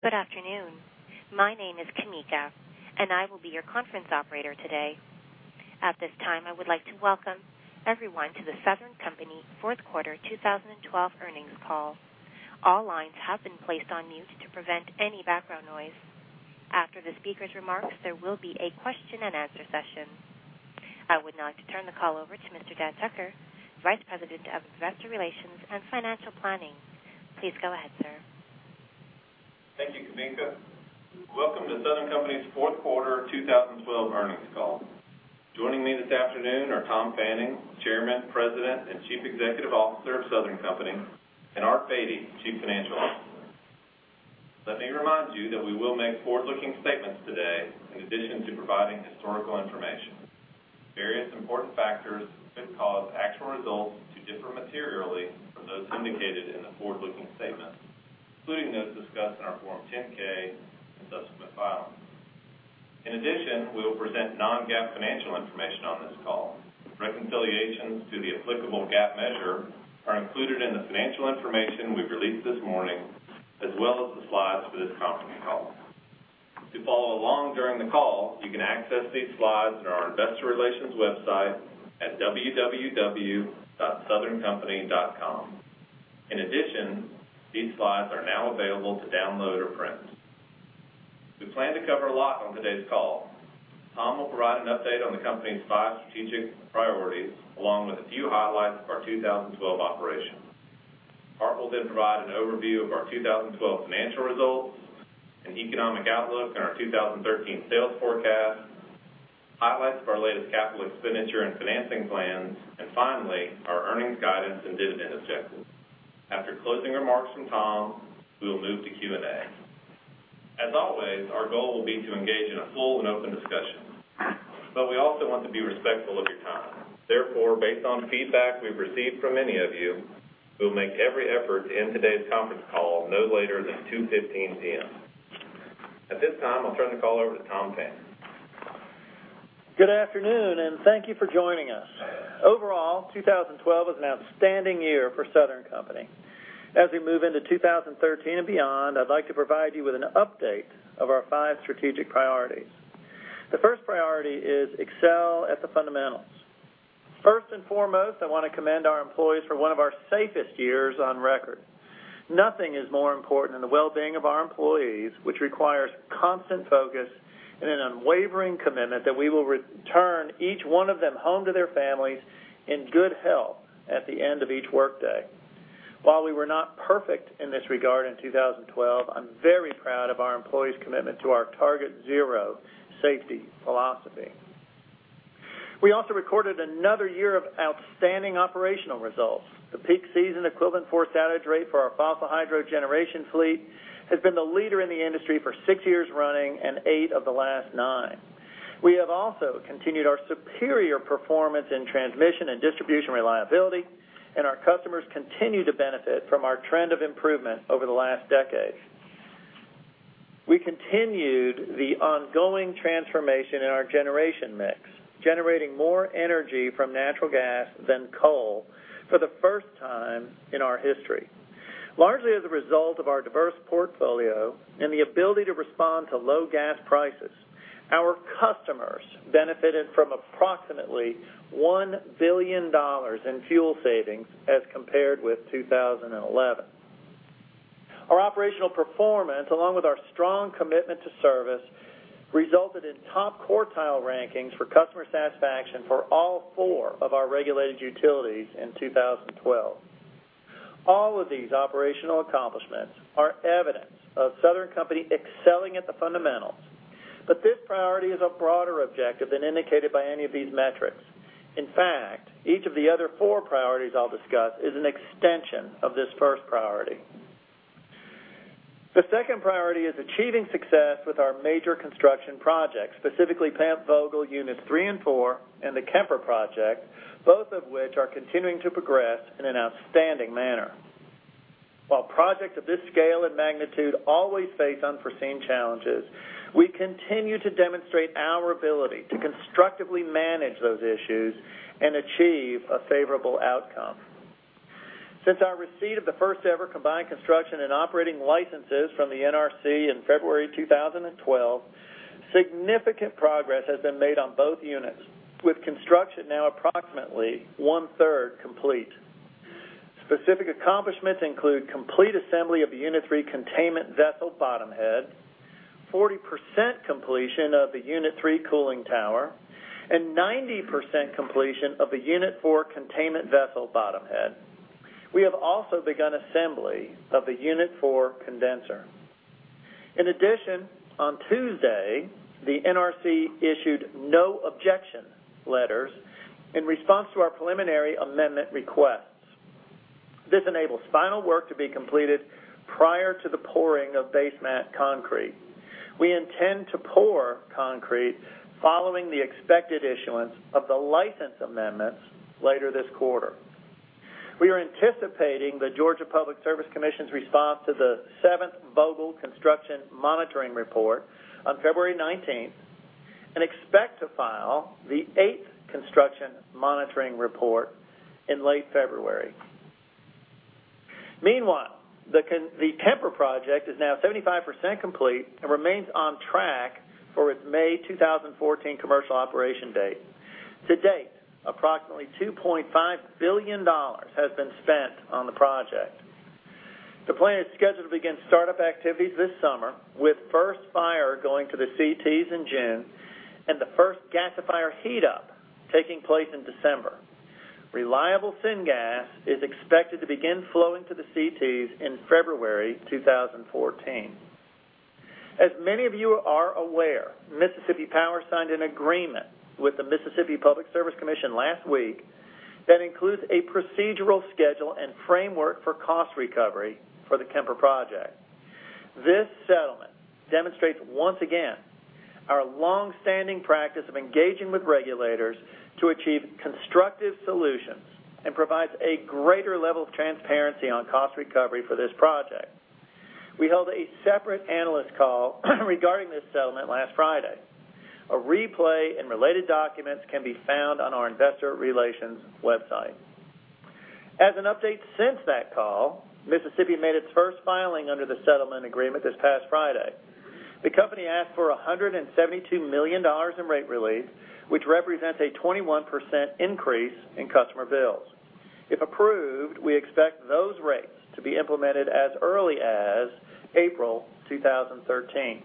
Good afternoon. My name is Kamika, and I will be your conference operator today. At this time, I would like to welcome everyone to The Southern Company fourth quarter 2012 earnings call. All lines have been placed on mute to prevent any background noise. After the speaker's remarks, there will be a question-and-answer session. I would now like to turn the call over to Mr. Dan Tucker, Vice President of Investor Relations and Financial Planning. Please go ahead, sir. Thank you, Kamika. Welcome to Southern Company's fourth quarter 2012 earnings call. Joining me this afternoon are Tom Fanning, Chairman, President, and Chief Executive Officer of Southern Company, and Art Beattie, Chief Financial Officer. Let me remind you that we will make forward-looking statements today in addition to providing historical information. Various important factors could cause actual results to differ materially from those indicated in the forward-looking statements, including those discussed in our Form 10-K and subsequent filings. We will present non-GAAP financial information on this call. Reconciliations to the applicable GAAP measure are included in the financial information we've released this morning, as well as the slides for this conference call. To follow along during the call, you can access these slides on our investor relations website at www.southerncompany.com. These slides are now available to download or print. We plan to cover a lot on today's call. Tom will provide an update on the company's five strategic priorities, along with a few highlights of our 2012 operations. Art will provide an overview of our 2012 financial results and economic outlook and our 2013 sales forecast, highlights of our latest capital expenditure and financing plans, finally, our earnings guidance and dividend objectives. After closing remarks from Tom, we will move to Q&A. As always, our goal will be to engage in a full and open discussion, but we also want to be respectful of your time. Therefore, based on feedback we've received from many of you, we will make every effort to end today's conference call no later than 2:15 P.M. At this time, I'll turn the call over to Tom Fanning. Good afternoon, thank you for joining us. Overall, 2012 was an outstanding year for Southern Company. As we move into 2013 and beyond, I'd like to provide you with an update of our five strategic priorities. The first priority is excel at the fundamentals. First and foremost, I want to commend our employees for one of our safest years on record. Nothing is more important than the well-being of our employees, which requires constant focus and an unwavering commitment that we will return each one of them home to their families in good health at the end of each workday. While we were not perfect in this regard in 2012, I'm very proud of our employees' commitment to our Target Zero safety philosophy. We also recorded another year of outstanding operational results. The peak season equivalent forced outage rate for our fossil hydro generation fleet has been the leader in the industry for six years running and eight of the last nine. We have also continued our superior performance in transmission and distribution reliability, and our customers continue to benefit from our trend of improvement over the last decade. We continued the ongoing transformation in our generation mix, generating more energy from natural gas than coal for the first time in our history. Largely as a result of our diverse portfolio and the ability to respond to low gas prices, our customers benefited from approximately $1 billion in fuel savings as compared with 2011. Our operational performance, along with our strong commitment to service, resulted in top quartile rankings for customer satisfaction for all four of our regulated utilities in 2012. All of these operational accomplishments are evidence of Southern Company excelling at the fundamentals. This priority is a broader objective than indicated by any of these metrics. In fact, each of the other four priorities I'll discuss is an extension of this first priority. The second priority is achieving success with our major construction projects, specifically Plant Vogtle units 3 and 4 and the Kemper Project, both of which are continuing to progress in an outstanding manner. While projects of this scale and magnitude always face unforeseen challenges, we continue to demonstrate our ability to constructively manage those issues and achieve a favorable outcome. Since our receipt of the first-ever combined construction and operating licenses from the NRC in February 2012, significant progress has been made on both units, with construction now approximately one-third complete. Specific accomplishments include complete assembly of the unit 3 containment vessel bottom head, 40% completion of the unit 3 cooling tower, and 90% completion of the unit 4 containment vessel bottom head. We have also begun assembly of the unit 4 condenser. In addition, on Tuesday, the NRC issued no objection letters in response to our preliminary amendment requests. This enables final work to be completed prior to the pouring of basement concrete. We intend to pour concrete following the expected issuance of the license amendments later this quarter. We are anticipating the Georgia Public Service Commission's response to the seventh Vogtle construction monitoring report on February 19th. We expect to file the eighth construction monitoring report in late February. Meanwhile, the Kemper Project is now 75% complete and remains on track for its May 2014 commercial operation date. To date, approximately $2.5 billion has been spent on the project. The plant is scheduled to begin startup activities this summer, with first fire going to the CTs in June and the first gasifier heat up taking place in December. Reliable syngas is expected to begin flowing to the CTs in February 2014. As many of you are aware, Mississippi Power signed an agreement with the Mississippi Public Service Commission last week that includes a procedural schedule and framework for cost recovery for the Kemper Project. This settlement demonstrates, once again, our longstanding practice of engaging with regulators to achieve constructive solutions and provides a greater level of transparency on cost recovery for this project. We held a separate analyst call regarding this settlement last Friday. A replay and related documents can be found on our investor relations website. As an update since that call, Mississippi made its first filing under the settlement agreement this past Friday. The company asked for $172 million in rate relief, which represents a 21% increase in customer bills. If approved, we expect those rates to be implemented as early as April 2013.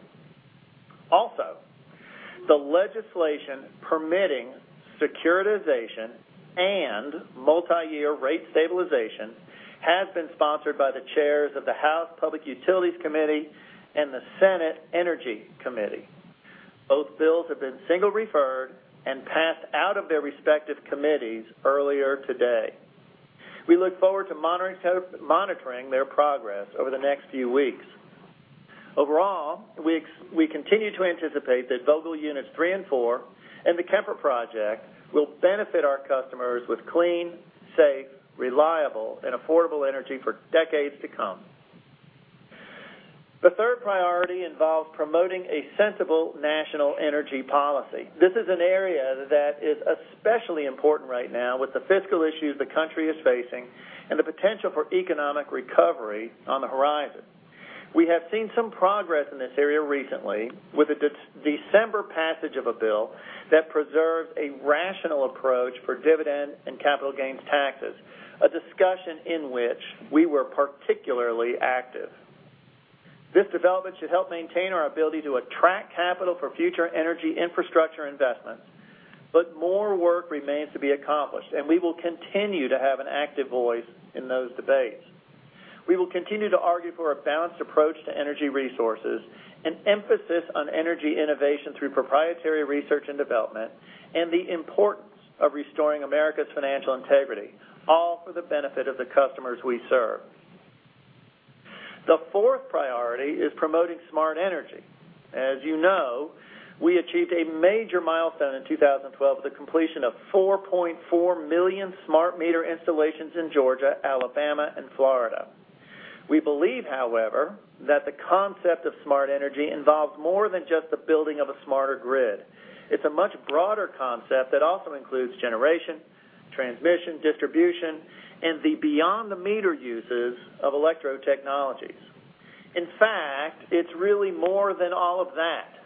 The legislation permitting securitization and multi-year rate stabilization has been sponsored by the chairs of the House Public Utilities Committee and the Senate Energy Committee. Both bills have been single referred and passed out of their respective committees earlier today. We look forward to monitoring their progress over the next few weeks. Overall, we continue to anticipate that Vogtle Units 3 and 4 and the Kemper Project will benefit our customers with clean, safe, reliable, and affordable energy for decades to come. The third priority involves promoting a sensible national energy policy. This is an area that is especially important right now with the fiscal issues the country is facing and the potential for economic recovery on the horizon. We have seen some progress in this area recently with the December passage of a bill that preserves a rational approach for dividend and capital gains taxes, a discussion in which we were particularly active. This development should help maintain our ability to attract capital for future energy infrastructure investments. More work remains to be accomplished, and we will continue to have an active voice in those debates. We will continue to argue for a balanced approach to energy resources and emphasis on energy innovation through proprietary research and development, the importance of restoring America's financial integrity, all for the benefit of the customers we serve. The fourth priority is promoting smart energy. As you know, we achieved a major milestone in 2012 with the completion of 4.4 million smart meter installations in Georgia, Alabama, and Florida. We believe, however, that the concept of smart energy involves more than just the building of a smarter grid. It's a much broader concept that also includes generation, transmission, distribution, and the beyond the meter uses of electro technologies. In fact, it's really more than all of that.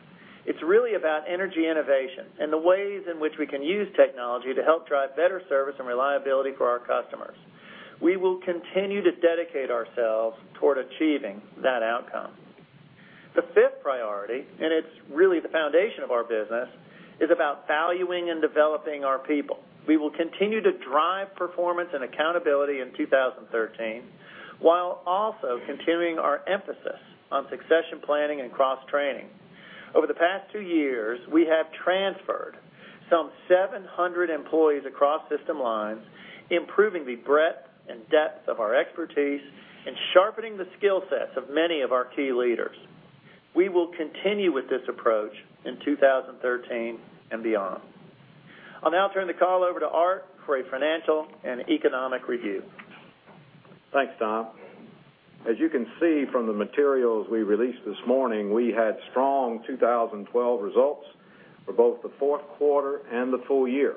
It's really about energy innovation and the ways in which we can use technology to help drive better service and reliability for our customers. We will continue to dedicate ourselves toward achieving that outcome. The fifth priority, and it's really the foundation of our business, is about valuing and developing our people. We will continue to drive performance and accountability in 2013 while also continuing our emphasis on succession planning and cross-training. Over the past two years, we have transferred some 700 employees across system lines, improving the breadth and depth of our expertise and sharpening the skill sets of many of our key leaders. We will continue with this approach in 2013 and beyond. I'll now turn the call over to Art for a financial and economic review. Thanks, Tom. As you can see from the materials we released this morning, we had strong 2012 results for both the fourth quarter and the full year.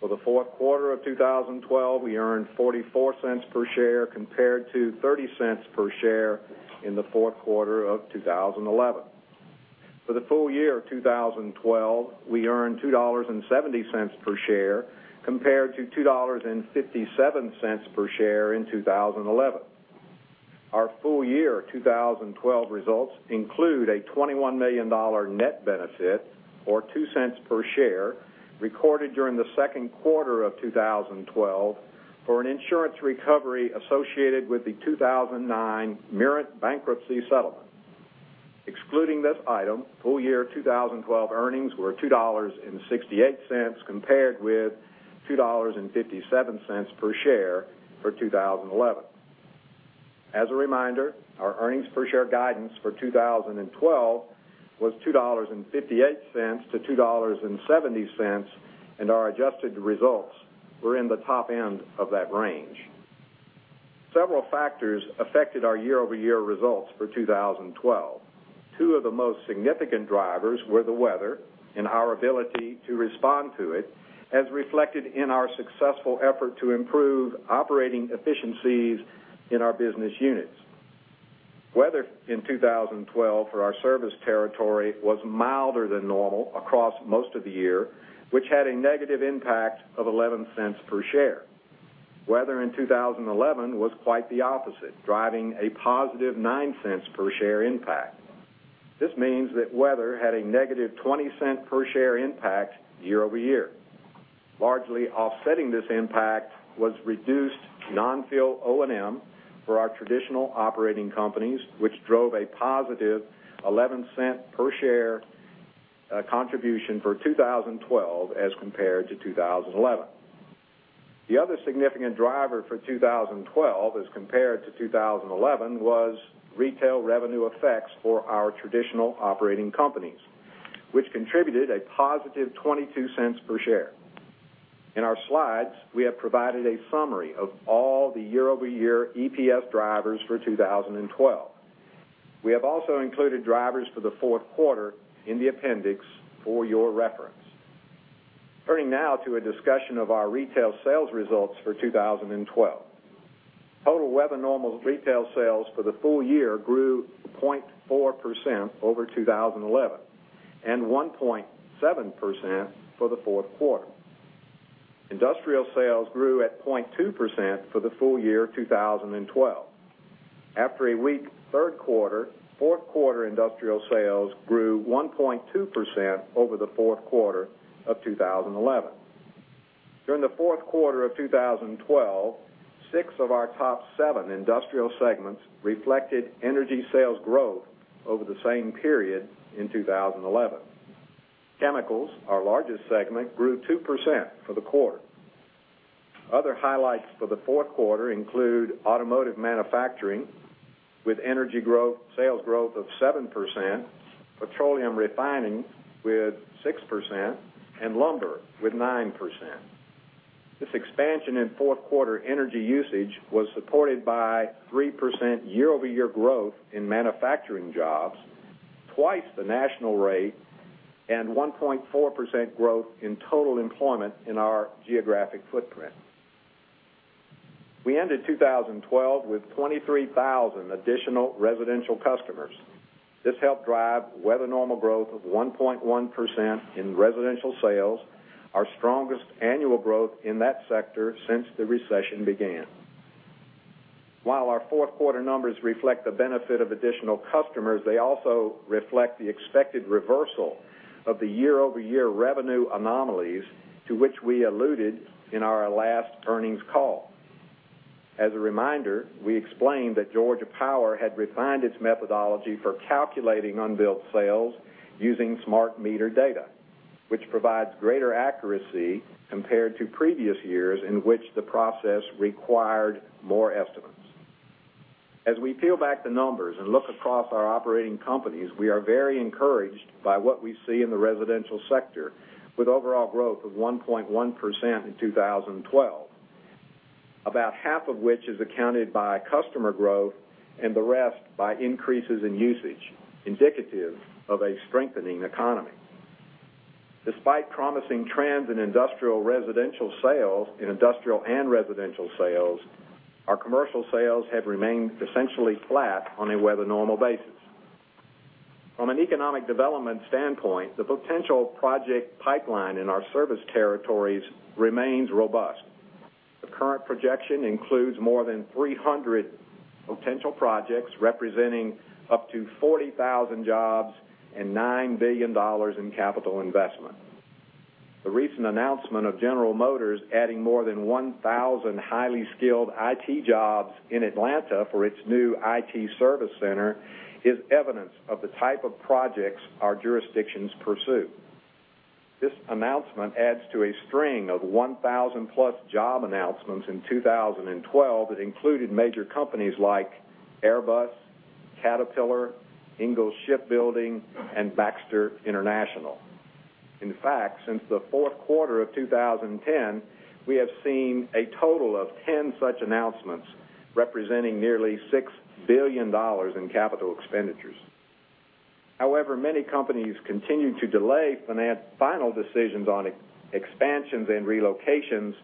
For the fourth quarter of 2012, we earned $0.44 per share compared to $0.30 per share in the fourth quarter of 2011. For the full year of 2012, we earned $2.70 per share compared to $2.57 per share in 2011. Our full year 2012 results include a $21 million net benefit or $0.02 per share recorded during the second quarter of 2012 for an insurance recovery associated with the 2009 Mirant bankruptcy settlement. Excluding this item, full year 2012 earnings were $2.68 compared with $2.57 per share for 2011. As a reminder, our earnings per share guidance for 2012 was $2.58 to $2.70, our adjusted results were in the top end of that range. Several factors affected our year-over-year results for 2012. Two of the most significant drivers were the weather and our ability to respond to it, as reflected in our successful effort to improve operating efficiencies in our business units. Weather in 2012 for our service territory was milder than normal across most of the year, which had a negative impact of $0.11 per share. Weather in 2011 was quite the opposite, driving a positive $0.09 per share impact. This means that weather had a negative $0.20 per share impact year-over-year. Largely offsetting this impact was reduced non-fuel O&M for our traditional operating companies, which drove a positive $0.11 per share contribution for 2012 as compared to 2011. The other significant driver for 2012 as compared to 2011 was retail revenue effects for our traditional operating companies, which contributed a positive $0.22 per share. In our slides, we have provided a summary of all the year-over-year EPS drivers for 2012. We have also included drivers for the fourth quarter in the appendix for your reference. Turning now to a discussion of our retail sales results for 2012. Total weather normal retail sales for the full year grew 0.4% over 2011 and 1.7% for the fourth quarter. Industrial sales grew at 0.2% for the full year 2012. After a weak third quarter, fourth quarter industrial sales grew 1.2% over the fourth quarter of 2011. During the fourth quarter of 2012, six of our top seven industrial segments reflected energy sales growth over the same period in 2011. Chemicals, our largest segment, grew 2% for the quarter. Other highlights for the fourth quarter include automotive manufacturing with energy sales growth of 7%, petroleum refining with 6%, and lumber with 9%. This expansion in fourth quarter energy usage was supported by 3% year-over-year growth in manufacturing jobs, twice the national rate, and 1.4% growth in total employment in our geographic footprint. We ended 2012 with 23,000 additional residential customers. This helped drive weather normal growth of 1.1% in residential sales, our strongest annual growth in that sector since the recession began. While our fourth quarter numbers reflect the benefit of additional customers, they also reflect the expected reversal of the year-over-year revenue anomalies to which we alluded in our last earnings call. As a reminder, we explained that Georgia Power had refined its methodology for calculating unbilled sales using smart meter data, which provides greater accuracy compared to previous years in which the process required more estimates. As we peel back the numbers and look across our operating companies, we are very encouraged by what we see in the residential sector, with overall growth of 1.1% in 2012, about half of which is accounted by customer growth and the rest by increases in usage, indicative of a strengthening economy. Despite promising trends in industrial and residential sales, our commercial sales have remained essentially flat on a weather normal basis. From an economic development standpoint, the potential project pipeline in our service territories remains robust. The current projection includes more than 300 potential projects representing up to 40,000 jobs and $9 billion in capital investment. The recent announcement of General Motors adding more than 1,000 highly skilled IT jobs in Atlanta for its new IT service center is evidence of the type of projects our jurisdictions pursue. This announcement adds to a string of 1,000-plus job announcements in 2012 that included major companies like Airbus, Caterpillar, Ingalls Shipbuilding, and Baxter International. In fact, since the fourth quarter of 2010, we have seen a total of 10 such announcements representing nearly $6 billion in capital expenditures. Many companies continue to delay final decisions on expansions and relocations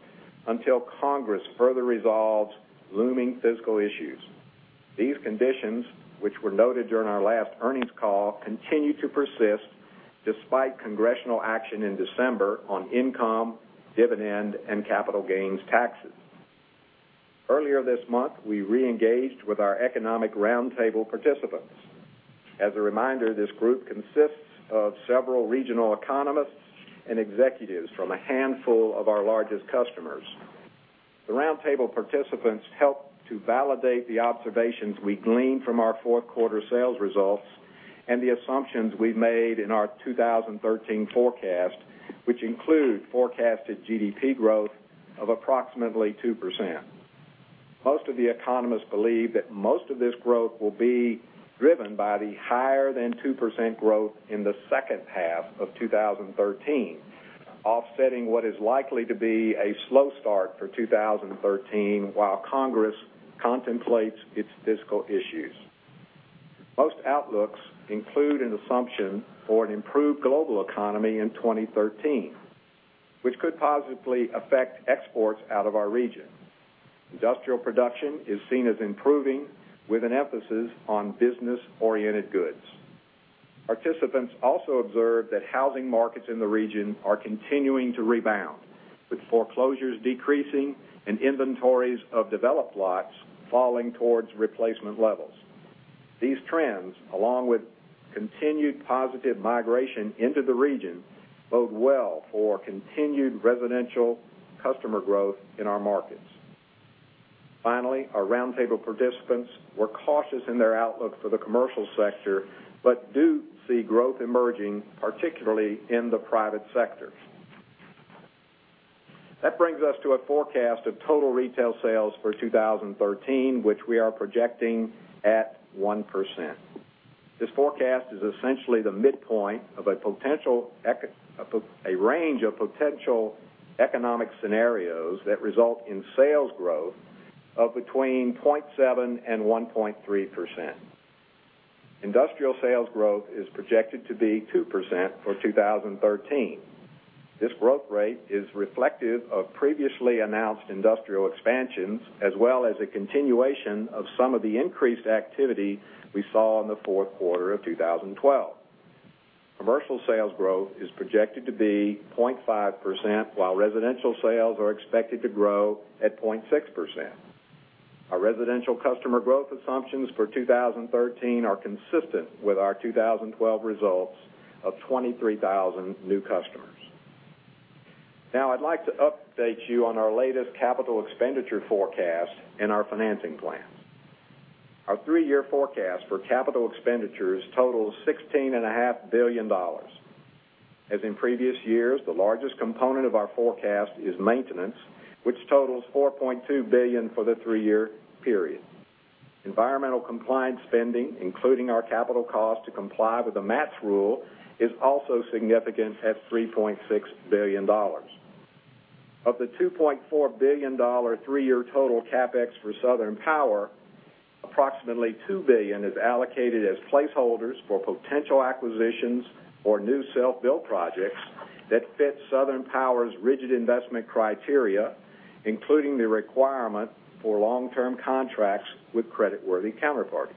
until Congress further resolves looming fiscal issues. These conditions, which were noted during our last earnings call, continue to persist despite congressional action in December on income, dividend, and capital gains taxes. Earlier this month, we re-engaged with our economic roundtable participants. As a reminder, this group consists of several regional economists and executives from a handful of our largest customers. The roundtable participants helped to validate the observations we gleaned from our fourth quarter sales results and the assumptions we made in our 2013 forecast, which include forecasted GDP growth of approximately 2%. Most of the economists believe that most of this growth will be driven by the higher than 2% growth in the second half of 2013. Offsetting what is likely to be a slow start for 2013 while Congress contemplates its fiscal issues. Most outlooks include an assumption for an improved global economy in 2013, which could positively affect exports out of our region. Industrial production is seen as improving with an emphasis on business-oriented goods. Participants also observed that housing markets in the region are continuing to rebound, with foreclosures decreasing and inventories of developed lots falling towards replacement levels. These trends, along with continued positive migration into the region, bode well for continued residential customer growth in our markets. Our roundtable participants were cautious in their outlook for the commercial sector, but do see growth emerging, particularly in the private sector. This brings us to a forecast of total retail sales for 2013, which we are projecting at 1%. This forecast is essentially the midpoint of a range of potential economic scenarios that result in sales growth of between 0.7% and 1.3%. Industrial sales growth is projected to be 2% for 2013. This growth rate is reflective of previously announced industrial expansions, as well as a continuation of some of the increased activity we saw in the fourth quarter of 2012. Commercial sales growth is projected to be 0.5%, while residential sales are expected to grow at 0.6%. Our residential customer growth assumptions for 2013 are consistent with our 2012 results of 23,000 new customers. Now I'd like to update you on our latest capital expenditure forecast and our financing plans. Our three-year forecast for capital expenditures totals $16.5 billion. As in previous years, the largest component of our forecast is maintenance, which totals $4.2 billion for the three-year period. Environmental compliance spending, including our capital cost to comply with the MATS rule, is also significant at $3.6 billion. Of the $2.4 billion three-year total CapEx for Southern Power, approximately $2 billion is allocated as placeholders for potential acquisitions or new self-built projects that fit Southern Power's rigid investment criteria, including the requirement for long-term contracts with creditworthy counterparties.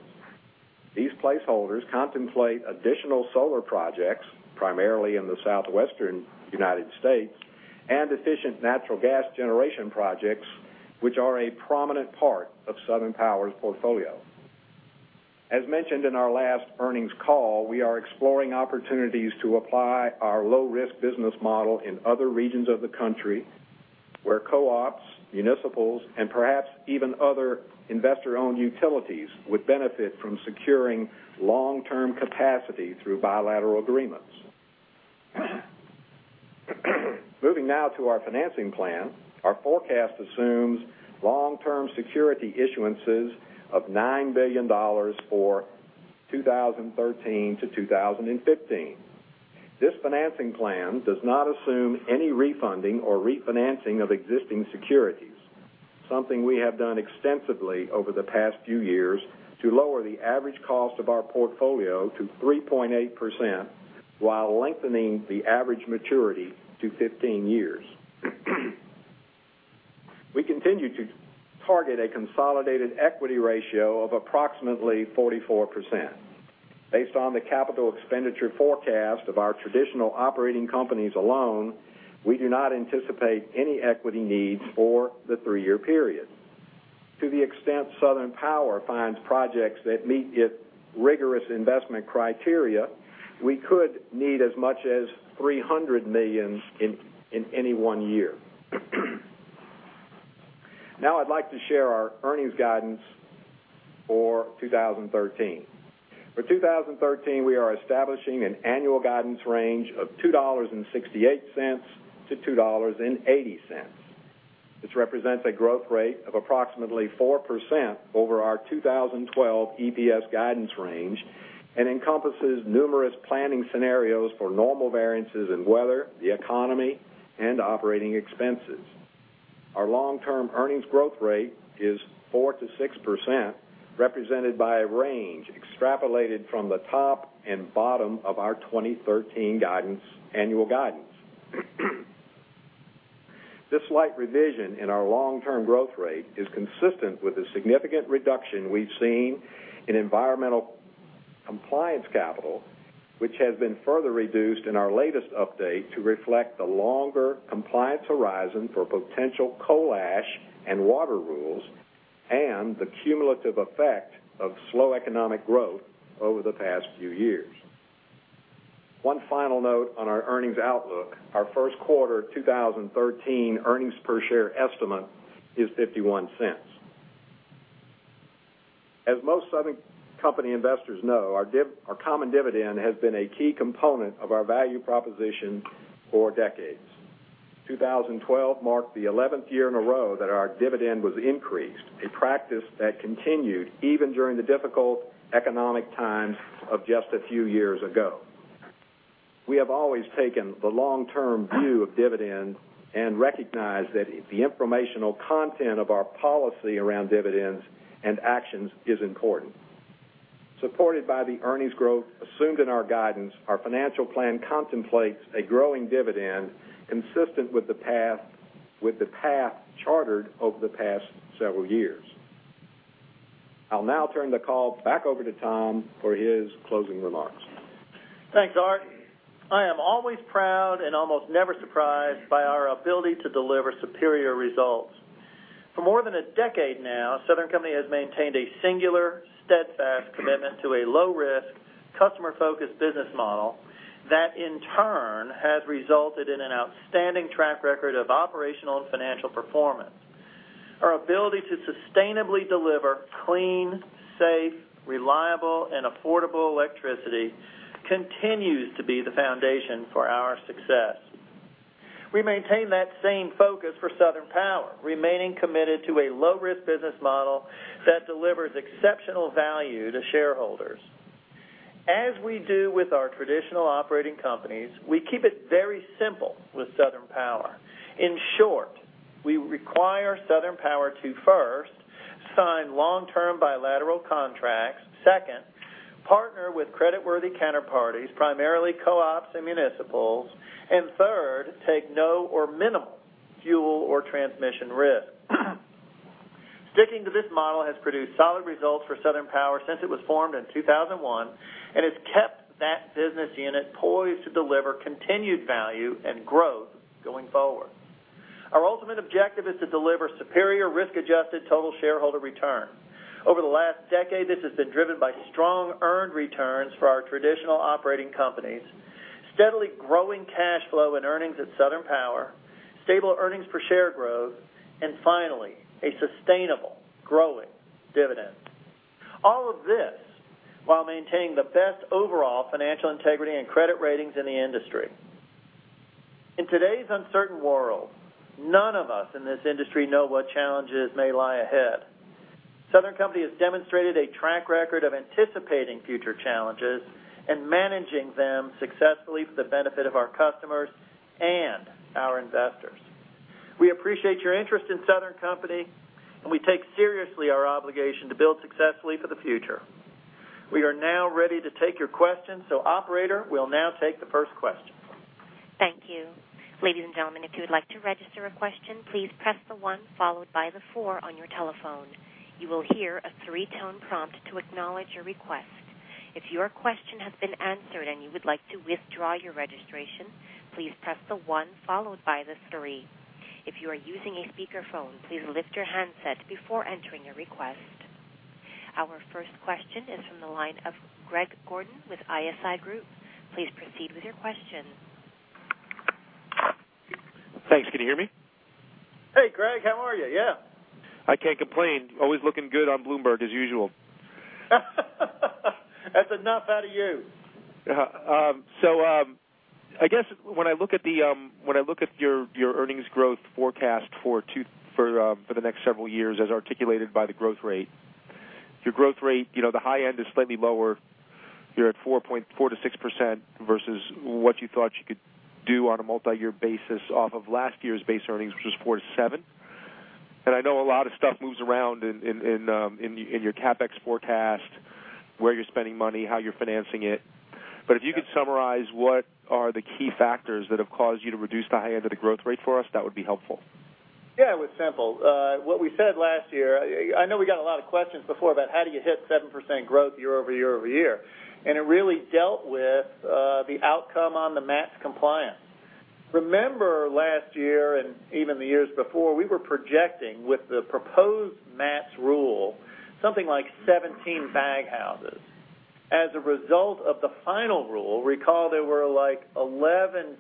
These placeholders contemplate additional solar projects, primarily in the Southwestern U.S., and efficient natural gas generation projects, which are a prominent part of Southern Power's portfolio. As mentioned in our last earnings call, we are exploring opportunities to apply our low-risk business model in other regions of the country where co-ops, municipals, and perhaps even other investor-owned utilities would benefit from securing long-term capacity through bilateral agreements. Moving now to our financing plan. Our forecast assumes long-term security issuances of $9 billion for 2013 to 2015. This financing plan does not assume any refunding or refinancing of existing securities. Something we have done extensively over the past few years to lower the average cost of our portfolio to 3.8% while lengthening the average maturity to 15 years. We continue to target a consolidated equity ratio of approximately 44%. Based on the capital expenditure forecast of our traditional operating companies alone, we do not anticipate any equity needs for the three-year period. To the extent Southern Power finds projects that meet its rigorous investment criteria, we could need as much as $300 million in any one year. Now I'd like to share our earnings guidance for 2013. For 2013, we are establishing an annual guidance range of $2.68 to $2.80. This represents a growth rate of approximately 4% over our 2012 EPS guidance range and encompasses numerous planning scenarios for normal variances in weather, the economy, and operating expenses. Our long-term earnings growth rate is 4% to 6%, represented by a range extrapolated from the top and bottom of our 2013 annual guidance. This slight revision in our long-term growth rate is consistent with the significant reduction we've seen in environmental compliance capital, which has been further reduced in our latest update to reflect the longer compliance horizon for potential coal ash and water rules and the cumulative effect of slow economic growth over the past few years. One final note on our earnings outlook. Our first quarter 2013 earnings per share estimate is $0.51. As most Southern Company investors know, our common dividend has been a key component of our value proposition for decades. 2012 marked the 11th year in a row that our dividend was increased, a practice that continued even during the difficult economic times of just a few years ago. We have always taken the long-term view of dividends and recognize that the informational content of our policy around dividends and actions is important. Supported by the earnings growth assumed in our guidance, our financial plan contemplates a growing dividend consistent with the path chartered over the past several years. I'll now turn the call back over to Tom for his closing remarks. Thanks, Art. I am always proud and almost never surprised by our ability to deliver superior results. For more than a decade now, Southern Company has maintained a singular, steadfast commitment to a low-risk, customer-focused business model that in turn has resulted in an outstanding track record of operational and financial performance. Our ability to sustainably deliver clean, safe, reliable, and affordable electricity continues to be the foundation for our success. We maintain that same focus for Southern Power, remaining committed to a low-risk business model that delivers exceptional value to shareholders. As we do with our traditional operating companies, we keep it very simple with Southern Power. In short, we require Southern Power to first sign long-term bilateral contracts, second, partner with creditworthy counterparties, primarily co-ops and municipals, and third, take no or minimal fuel or transmission risk. Sticking to this model has produced solid results for Southern Power since it was formed in 2001 and has kept that business unit poised to deliver continued value and growth going forward. Our ultimate objective is to deliver superior risk-adjusted total shareholder return. Over the last decade, this has been driven by strong earned returns for our traditional operating companies, steadily growing cash flow and earnings at Southern Power, stable earnings per share growth, and finally, a sustainable growing dividend. All of this while maintaining the best overall financial integrity and credit ratings in the industry. In today's uncertain world, none of us in this industry know what challenges may lie ahead. Southern Company has demonstrated a track record of anticipating future challenges and managing them successfully for the benefit of our customers and our investors. We appreciate your interest in Southern Company. We take seriously our obligation to build successfully for the future. We are now ready to take your questions. Operator, we'll now take the first question. Thank you. Ladies and gentlemen, if you would like to register a question, please press the one followed by the four on your telephone. You will hear a three-tone prompt to acknowledge your request. If your question has been answered and you would like to withdraw your registration, please press the one followed by the three. If you are using a speakerphone, please lift your handset before entering your request. Our first question is from the line of Greg Gordon with ISI Group. Please proceed with your question. Thanks. Can you hear me? Hey, Greg. How are you? Yeah. I can't complain. Always looking good on Bloomberg as usual. That's enough out of you. I guess when I look at your earnings growth forecast for the next several years as articulated by the growth rate, your growth rate, the high end is slightly lower. You're at 4%-6% versus what you thought you could do on a multi-year basis off of last year's base earnings, which was 4%-7%. I know a lot of stuff moves around in your CapEx forecast, where you're spending money, how you're financing it. If you could summarize what are the key factors that have caused you to reduce the high end of the growth rate for us, that would be helpful. Yeah, it was simple. What we said last year, I know we got a lot of questions before about how do you hit 7% growth year-over-year-over-year. It really dealt with the outcome on the MATS compliance. Remember last year and even the years before, we were projecting with the proposed MATS rule, something like 17 baghouses. As a result of the final rule, recall there were 11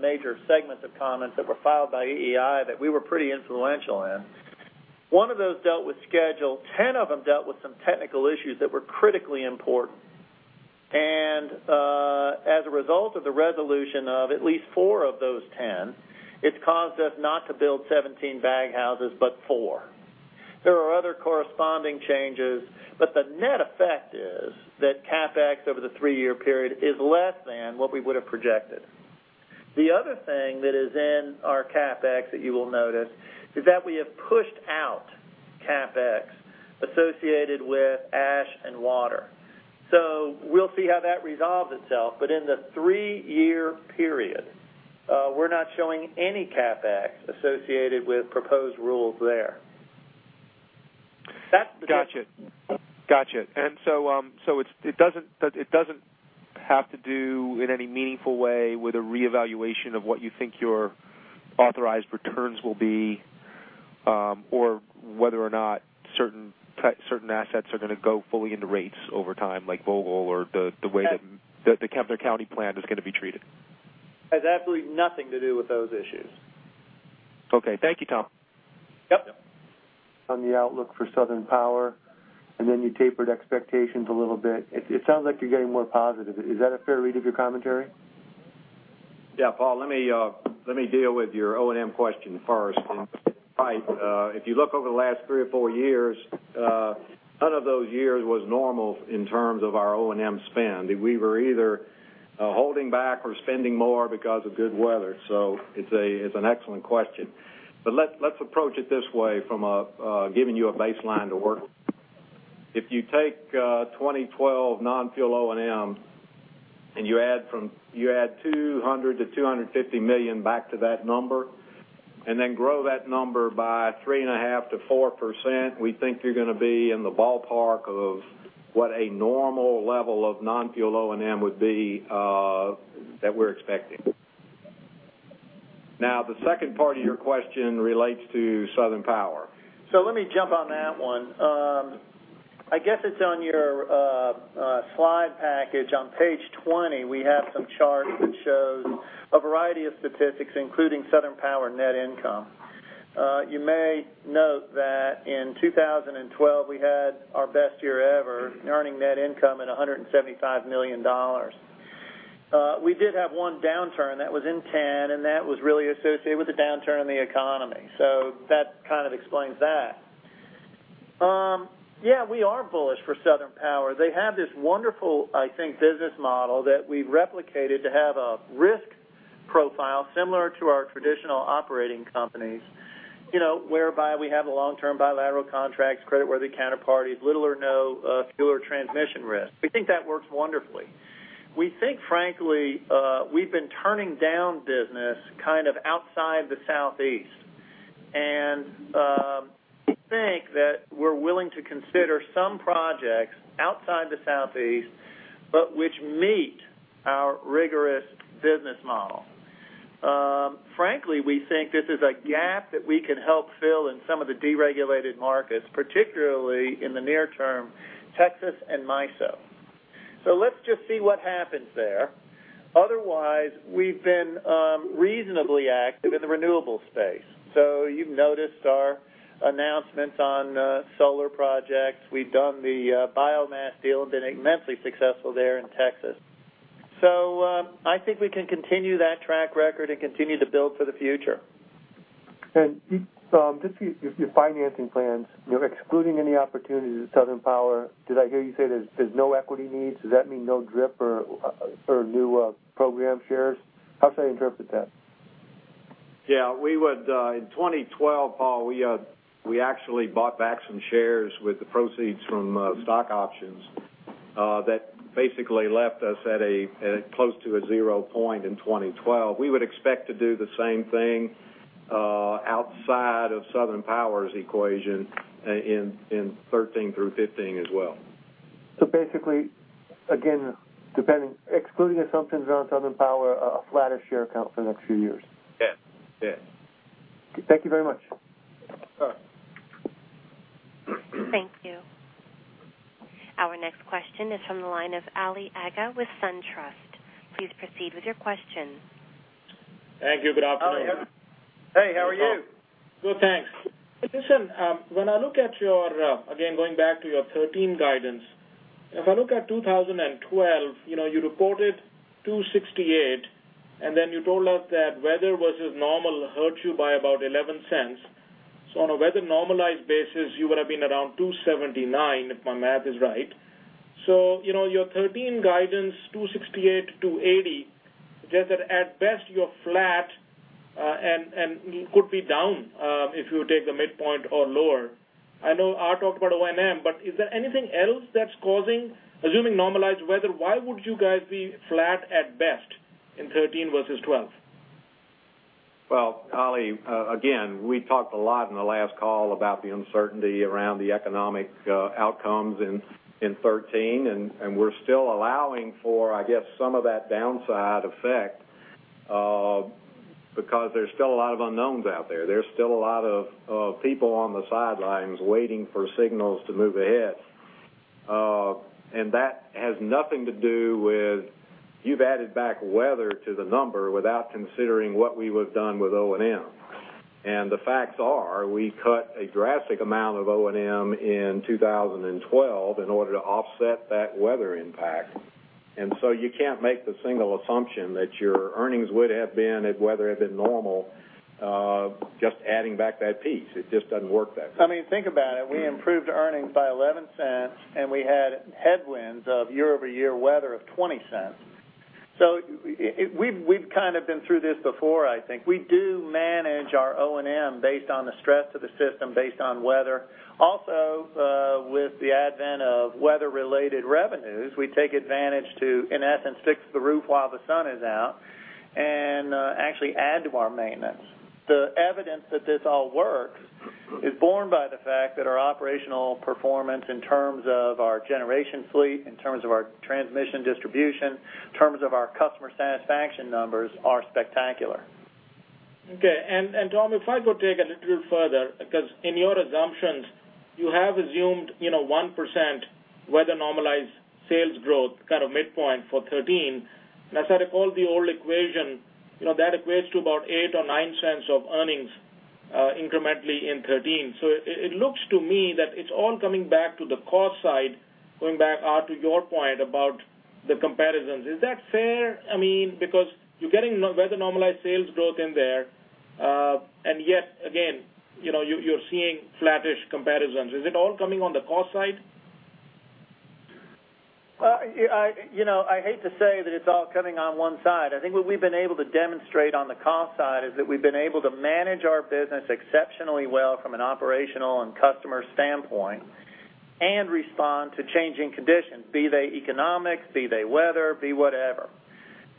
major segments of comments that were filed by EEI that we were pretty influential in. One of those dealt with Schedule. 10 of them dealt with some technical issues that were critically important. As a result of the resolution of at least four of those 10, it's caused us not to build 17 baghouses, but four. There are other corresponding changes, but the net effect is that CapEx over the three-year period is less than what we would have projected. The other thing that is in our CapEx that you will notice is that we have pushed out CapEx associated with ash and water. We'll see how that resolves itself, but in the three-year period, we're not showing any CapEx associated with proposed rules there. Got you. It doesn't have to do in any meaningful way with a reevaluation of what you think your authorized returns will be or whether or not certain assets are going to go fully into rates over time, like Vogtle or the way that the Kemper County plan is going to be treated. It has absolutely nothing to do with those issues. Okay. Thank you, Tom. On the outlook for Southern Power, you tapered expectations a little bit. It sounds like you're getting more positive. Is that a fair read of your commentary? Paul, let me deal with your O&M question first. If you look over the last three or four years, none of those years was normal in terms of our O&M spend. We were either holding back or spending more because of good weather. It's an excellent question. Let's approach it this way from giving you a baseline to work. If you take 2012 non-fuel O&M, and you add $200 million-$250 million back to that number, and then grow that number by 3.5%-4%, we think you're going to be in the ballpark of what a normal level of non-fuel O&M would be that we're expecting. The second part of your question relates to Southern Power. Let me jump on that one. I guess it's on your slide package on page 20, we have some charts that shows a variety of statistics, including Southern Power net income. You may note that in 2012, we had our best year ever earning net income at $175 million. We did have one downturn that was in 2010, and that was really associated with the downturn in the economy. That kind of explains that. Yeah, we are bullish for Southern Power. They have this wonderful, I think, business model that we replicated to have a risk profile similar to our traditional operating companies. Whereby we have long-term bilateral contracts, creditworthy counterparties, little or no fuel or transmission risk. We think that works wonderfully. We think, frankly, we've been turning down business kind of outside the Southeast. We think that we're willing to consider some projects outside the Southeast, but which meet our rigorous business model. Frankly, we think this is a gap that we can help fill in some of the deregulated markets, particularly in the near term, Texas and MISO. Let's just see what happens there. Otherwise, we've been reasonably active in the renewable space. You've noticed our announcements on solar projects. We've done the biomass deal, been immensely successful there in Texas. I think we can continue that track record and continue to build for the future. Just your financing plans, excluding any opportunities at Southern Power, did I hear you say there's no equity needs? Does that mean no DRIP or new program shares? How should I interpret that? Yeah. In 2012, Paul, we actually bought back some shares with the proceeds from stock options that basically left us at close to a zero point in 2012. We would expect to do the same thing outside of Southern Power's equation in 2013 through 2015 as well. Basically, again, excluding assumptions around Southern Power, a flatter share count for the next few years. Yes. Thank you very much. All right. Thank you. Our next question is from the line of Ali Agha with SunTrust. Please proceed with your question. Thank you. Good afternoon. Hey, how are you? Good, thanks. Listen, when I look at your, again, going back to your 2013 guidance. If I look at 2012, you reported $2.68, and then you told us that weather versus normal hurt you by about $0.11. On a weather-normalized basis, you would have been around $2.79, if my math is right. Your 2013 guidance, $2.68-$2.80, suggests that at best, you're flat and could be down if you take the midpoint or lower. I know Art talked about O&M. Is there anything else that's causing, assuming normalized weather, why would you guys be flat at best in 2013 versus 2012? Well, Ali, we talked a lot on the last call about the uncertainty around the economic outcomes in 2013, we're still allowing for, I guess, some of that downside effect because there's still a lot of unknowns out there. There's still a lot of people on the sidelines waiting for signals to move ahead. That has nothing to do with you've added back weather to the number without considering what we would've done with O&M. The facts are we cut a drastic amount of O&M in 2012 in order to offset that weather impact. You can't make the single assumption that your earnings would have been if weather had been normal just adding back that piece. It just doesn't work that way. I mean, think about it. We improved earnings by $0.11, and we had headwinds of year-over-year weather of $0.20. We've kind of been through this before, I think. We do manage our O&M based on the stress of the system, based on weather. Also, with the advent of weather-related revenues, we take advantage to, in essence, fix the roof while the sun is out and actually add to our maintenance. The evidence that this all works is borne by the fact that our operational performance in terms of our generation fleet, in terms of our transmission distribution, in terms of our customer satisfaction numbers are spectacular. Okay. Tom, if I could dig a little further, because in your assumptions you have assumed 1% weather normalized sales growth kind of midpoint for 2013. As I recall the old equation, that equates to about $0.08 or $0.09 of earnings incrementally in 2013. It looks to me that it's all coming back to the cost side, going back, Art, to your point about the comparisons. Is that fair? You're getting weather normalized sales growth in there, and yet again, you're seeing flattish comparisons. Is it all coming on the cost side? Well, I hate to say that it's all coming on one side. I think what we've been able to demonstrate on the cost side is that we've been able to manage our business exceptionally well from an operational and customer standpoint, and respond to changing conditions, be they economic, be they weather, be whatever.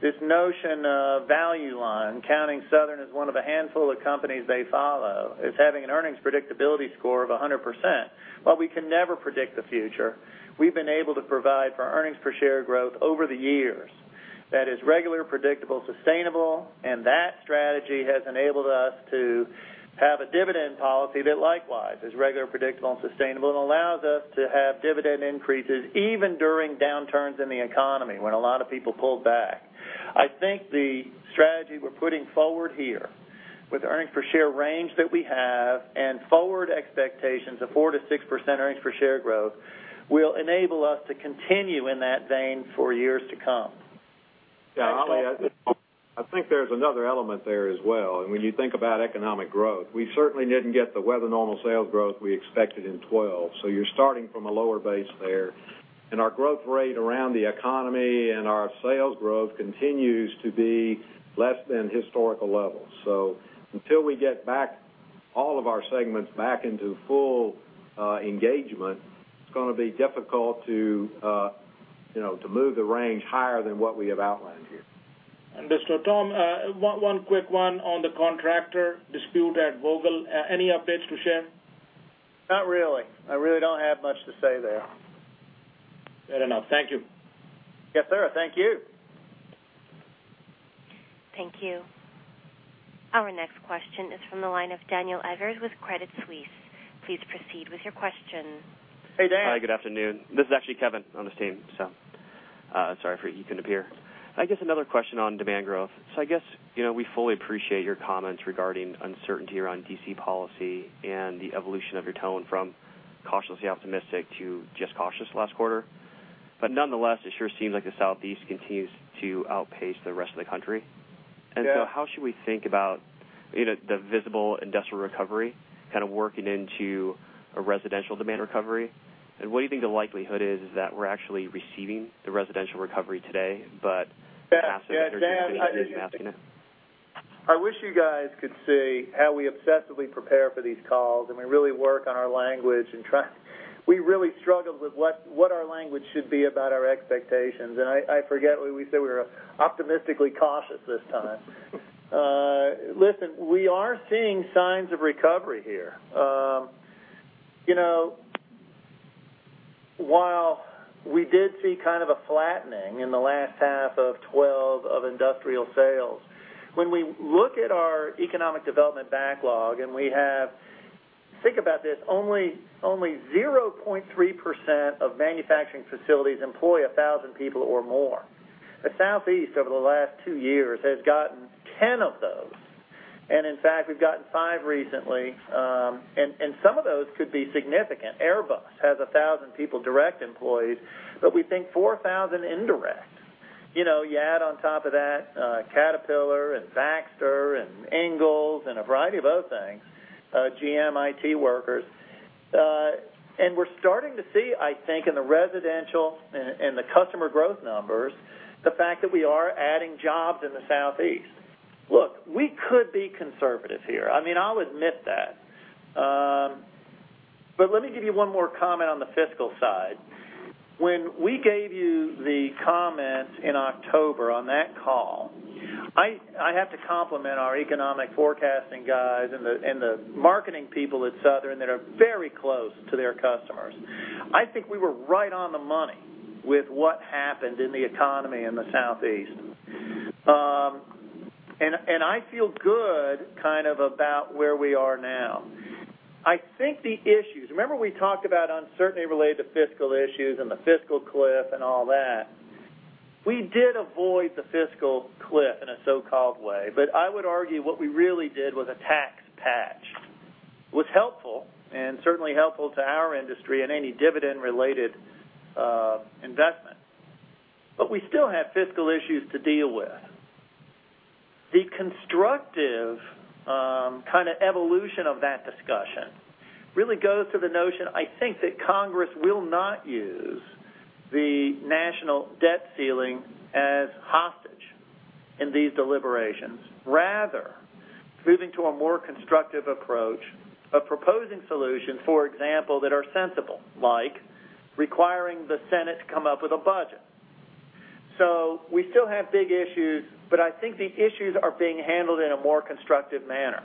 This notion of Value Line counting Southern as one of the handful of companies they follow as having an earnings predictability score of 100%. While we can never predict the future, we've been able to provide for earnings per share growth over the years that is regular, predictable, sustainable, that strategy has enabled us to have a dividend policy that likewise is regular, predictable, and sustainable, and allows us to have dividend increases even during downturns in the economy, when a lot of people pulled back. I think the strategy we're putting forward here with earnings per share range that we have and forward expectations of 4%-6% earnings per share growth, will enable us to continue in that vein for years to come. Yeah, Ali, I think there's another element there as well. When you think about economic growth. We certainly didn't get the weather normal sales growth we expected in 2012. You're starting from a lower base there. Our growth rate around the economy and our sales growth continues to be less than historical levels. Until we get all of our segments back into full engagement, it's going to be difficult to move the range higher than what we have outlined here. Mr. Tom, one quick one on the contractor dispute at Vogtle. Any updates to share? Not really. I really don't have much to say there. Fair enough. Thank you. Yes, sir. Thank you. Thank you. Our next question is from the line of Daniel Eggers with Credit Suisse. Please proceed with your question. Hey, Dan. Hi, good afternoon. This is actually Kevin on the team, so sorry for any confusion here. I guess another question on demand growth. I guess, we fully appreciate your comments regarding uncertainty around D.C. policy and the evolution of your tone from cautiously optimistic to just cautious last quarter. Nonetheless, it sure seems like the Southeast continues to outpace the rest of the country. Yeah. How should we think about the visible industrial recovery kind of working into a residential demand recovery? What do you think the likelihood is that we're actually receiving the residential recovery today? Dan, I hear you. masking it? I wish you guys could see how we obsessively prepare for these calls. We really work on our language. We really struggled with what our language should be about our expectations. I forget, we said we were optimistically cautious this time. Listen, we are seeing signs of recovery here. While we did see kind of a flattening in the last half of 2012 of industrial sales, when we look at our economic development backlog, we have, think about this, only 0.3% of manufacturing facilities employ 1,000 people or more. The Southeast over the last two years has gotten 10 of those. In fact, we've gotten five recently. Some of those could be significant. Airbus has 1,000 people direct employees, but we think 4,000 indirect. You add on top of that, Caterpillar and Baxter and Ingalls and a variety of other things, GM IT workers. We're starting to see, I think, in the residential and the customer growth numbers, the fact that we are adding jobs in the Southeast. Look, we could be conservative here. I'll admit that. Let me give you one more comment on the fiscal side. When we gave you the comments in October on that call, I have to compliment our economic forecasting guys and the marketing people at Southern Company that are very close to their customers. I think we were right on the money with what happened in the economy in the Southeast. I feel good kind of about where we are now. I think the issues, remember we talked about uncertainty related to fiscal issues and the fiscal cliff and all that. We did avoid the fiscal cliff in a so-called way. I would argue what we really did was a tax patch. Was helpful, and certainly helpful to our industry and any dividend-related investment. We still have fiscal issues to deal with. The constructive kind of evolution of that discussion really goes to the notion, I think, that Congress will not use the national debt ceiling as hostage in these deliberations. Rather, moving to a more constructive approach of proposing solutions, for example, that are sensible, like requiring the Senate to come up with a budget. We still have big issues. I think the issues are being handled in a more constructive manner.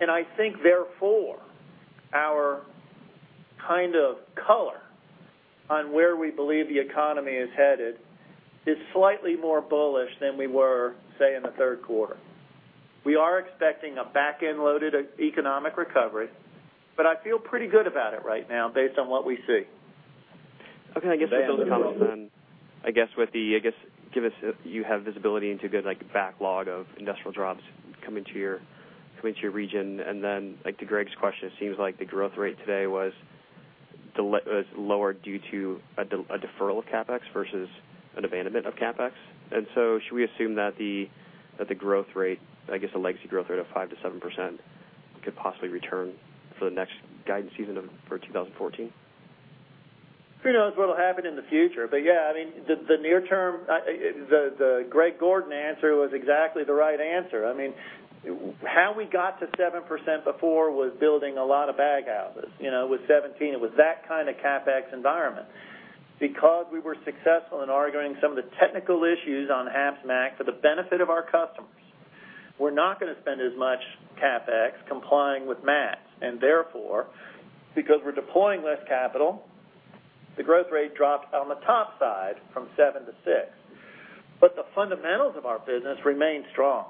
I think, therefore, our kind of color on where we believe the economy is headed is slightly more bullish than we were, say, in the third quarter. We are expecting a back-end loaded economic recovery. I feel pretty good about it right now based on what we see. Okay. I guess to build upon, you have visibility into a good backlog of industrial jobs coming to your region. To Greg's question, it seems like the growth rate today was lower due to a deferral of CapEx versus an abandonment of CapEx. Should we assume that the legacy growth rate of 5%-7% could possibly return for the next guidance season for 2014? Who knows what'll happen in the future? Yeah, the near term, the Greg Gordon answer was exactly the right answer. How we got to 7% before was building a lot of baghouses. With 17, it was that kind of CapEx environment. Because we were successful in arguing some of the technical issues on HAPS MACT for the benefit of our customers, we're not going to spend as much CapEx complying with MACTs. Therefore, because we're deploying less capital, the growth rate drops on the top side from 7%-6%. The fundamentals of our business remain strong.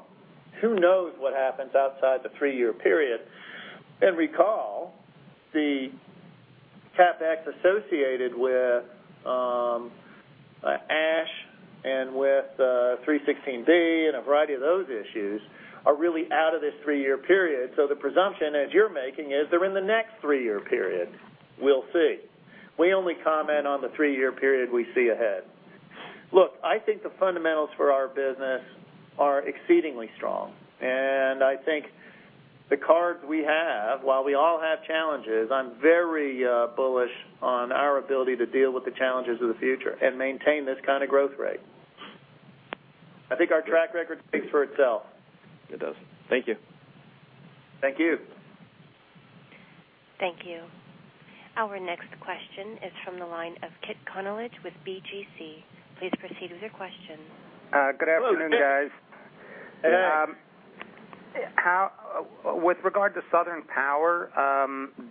Who knows what happens outside the three-year period? Recall, the CapEx associated with Ash and with 316 and a variety of those issues are really out of this three-year period. The presumption as you're making is they're in the next three-year period. We'll see. We only comment on the three-year period we see ahead. Look, I think the fundamentals for our business are exceedingly strong. I think the cards we have, while we all have challenges, I'm very bullish on our ability to deal with the challenges of the future and maintain this kind of growth rate. I think our track record speaks for itself. It does. Thank you. Thank you. Thank you. Our next question is from the line of Kit Konolige with BGC. Please proceed with your question. Good afternoon, guys. Hello. With regard to Southern Power,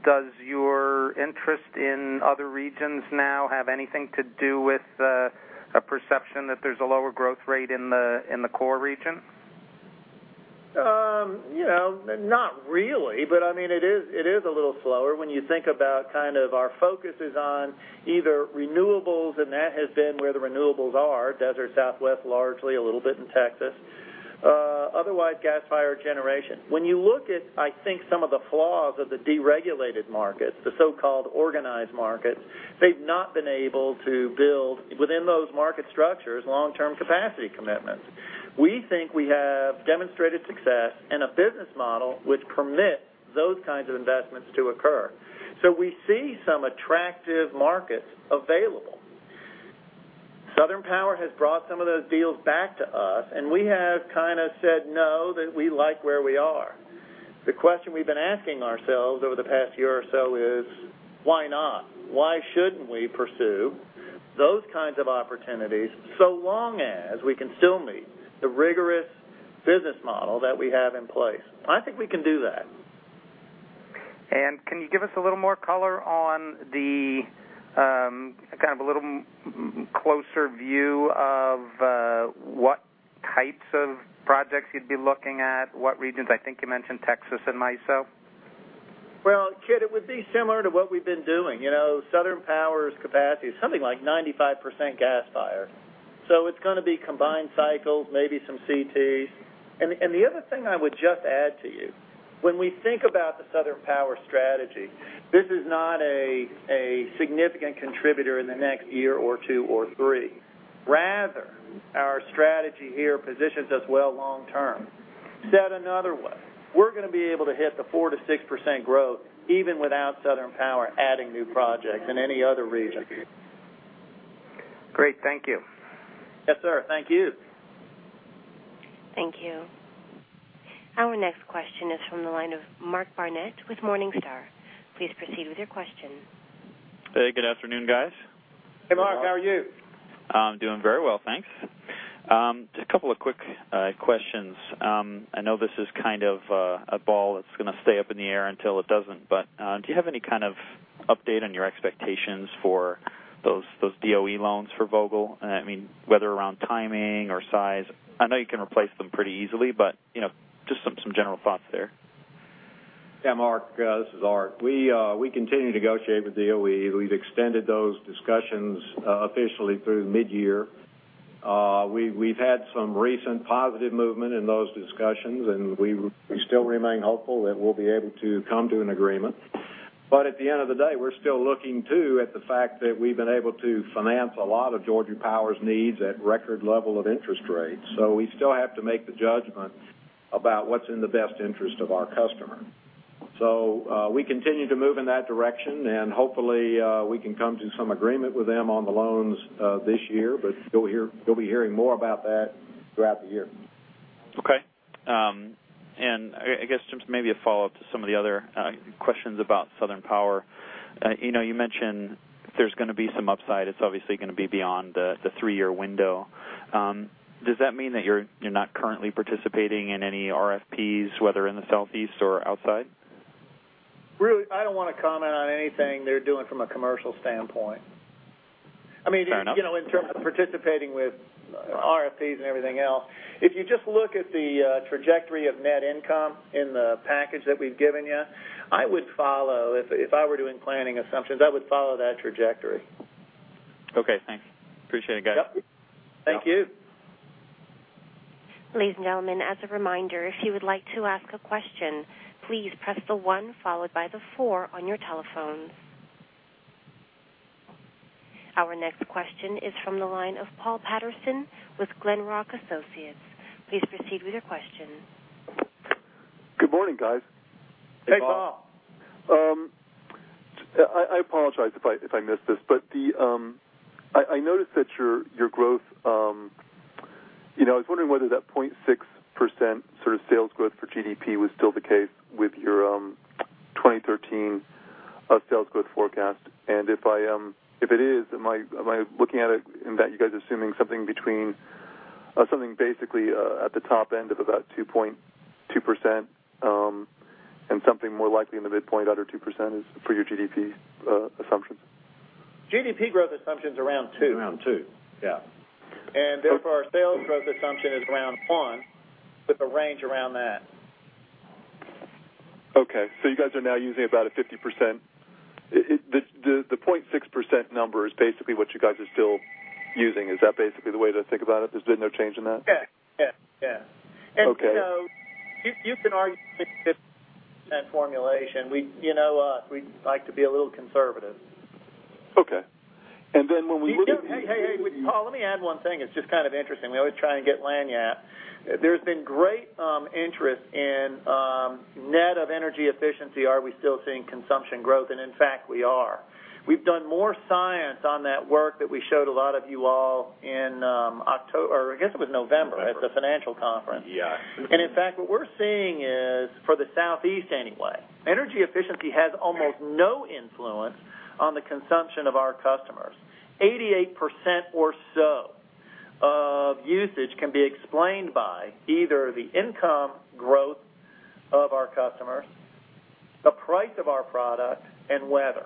does your interest in other regions now have anything to do with a perception that there's a lower growth rate in the core region? Not really, but it is a little slower when you think about our focus is on either renewables, and that has been where the renewables are, desert Southwest largely, a little bit in Texas. Otherwise, gas-fired generation. When you look at some of the flaws of the deregulated markets, the so-called organized markets, they've not been able to build within those market structures long-term capacity commitments. We think we have demonstrated success and a business model which permits those kinds of investments to occur. We see some attractive markets available. Southern Power has brought some of those deals back to us, and we have said no, that we like where we are. The question we've been asking ourselves over the past year or so is why not? Why shouldn't we pursue those kinds of opportunities so long as we can still meet the rigorous business model that we have in place? I think we can do that. Can you give us a little more color on the closer view of what types of projects you'd be looking at, what regions? I think you mentioned Texas and MISO. Well, Kit, it would be similar to what we've been doing. Southern Power's capacity is something like 95% gas-fired. It's going to be combined cycles, maybe some CTs. The other thing I would just add to you, when we think about the Southern Power strategy, this is not a significant contributor in the next year or two or three. Rather, our strategy here positions us well long term. Said another way, we're going to be able to hit the 4%-6% growth even without Southern Power adding new projects in any other region. Great. Thank you. Yes, sir. Thank you. Thank you. Our next question is from the line of Mark Barnett with Morningstar. Please proceed with your question. Hey, good afternoon, guys. Hey, Mark. How are you? I'm doing very well, thanks. Just a couple of quick questions. I know this is a ball that's going to stay up in the air until it doesn't, but do you have any kind of update on your expectations for those DOE loans for Vogtle? Whether around timing or size? I know you can replace them pretty easily, but just some general thoughts there. Yeah, Mark, this is Art. We continue to negotiate with DOE. We've extended those discussions officially through mid-year. We've had some recent positive movement in those discussions. We still remain hopeful that we'll be able to come to an agreement. At the end of the day, we're still looking too at the fact that we've been able to finance a lot of Georgia Power's needs at record level of interest rates. We still have to make the judgment about what's in the best interest of our customer. We continue to move in that direction, and hopefully we can come to some agreement with them on the loans this year. You'll be hearing more about that throughout the year. Okay. I guess just maybe a follow-up to some of the other questions about Southern Power. You mentioned there's going to be some upside. It's obviously going to be beyond the three-year window. Does that mean that you're not currently participating in any RFPs, whether in the Southeast or outside? Really, I don't want to comment on anything they're doing from a commercial standpoint. Fair enough. In terms of participating with RFPs and everything else. If you just look at the trajectory of net income in the package that we've given you, if I were doing planning assumptions, I would follow that trajectory. Okay, thanks. Appreciate it, guys. Yep. Thank you. Ladies and gentlemen, as a reminder, if you would like to ask a question, please press the one followed by the four on your telephones. Our next question is from the line of Paul Patterson with Glenrock Associates. Please proceed with your question. Good morning, guys. Hey, Paul. I apologize if I missed this. I noticed that your growth, I was wondering whether that 0.6% sort of sales growth for GDP was still the case with your 2013 sales growth forecast. If it is, am I looking at it in that you guys are assuming something basically at the top end of about 2.2% and something more likely in the midpoint under 2% is for your GDP assumptions? GDP growth assumption's around two. Around two. Yeah. Therefore our sales growth assumption is around one with a range around that. Okay. You guys are now using about a 50%. The .6% number is basically what you guys are still using. Is that basically the way to think about it? There's been no change in that? Yeah. Okay. You can argue with that formulation. You know us, we like to be a little conservative. Okay. Hey, Paul, let me add one thing. It's just kind of interesting. We always try and get Lagniappe. There's been great interest in net of energy efficiency. Are we still seeing consumption growth? In fact, we are. We've done more science on that work that we showed a lot of you all in October. November at the financial conference. Yes. In fact, what we're seeing is, for the Southeast anyway, energy efficiency has almost no influence on the consumption of our customers. 88% or so of usage can be explained by either the income growth of our customers, the price of our product, and weather.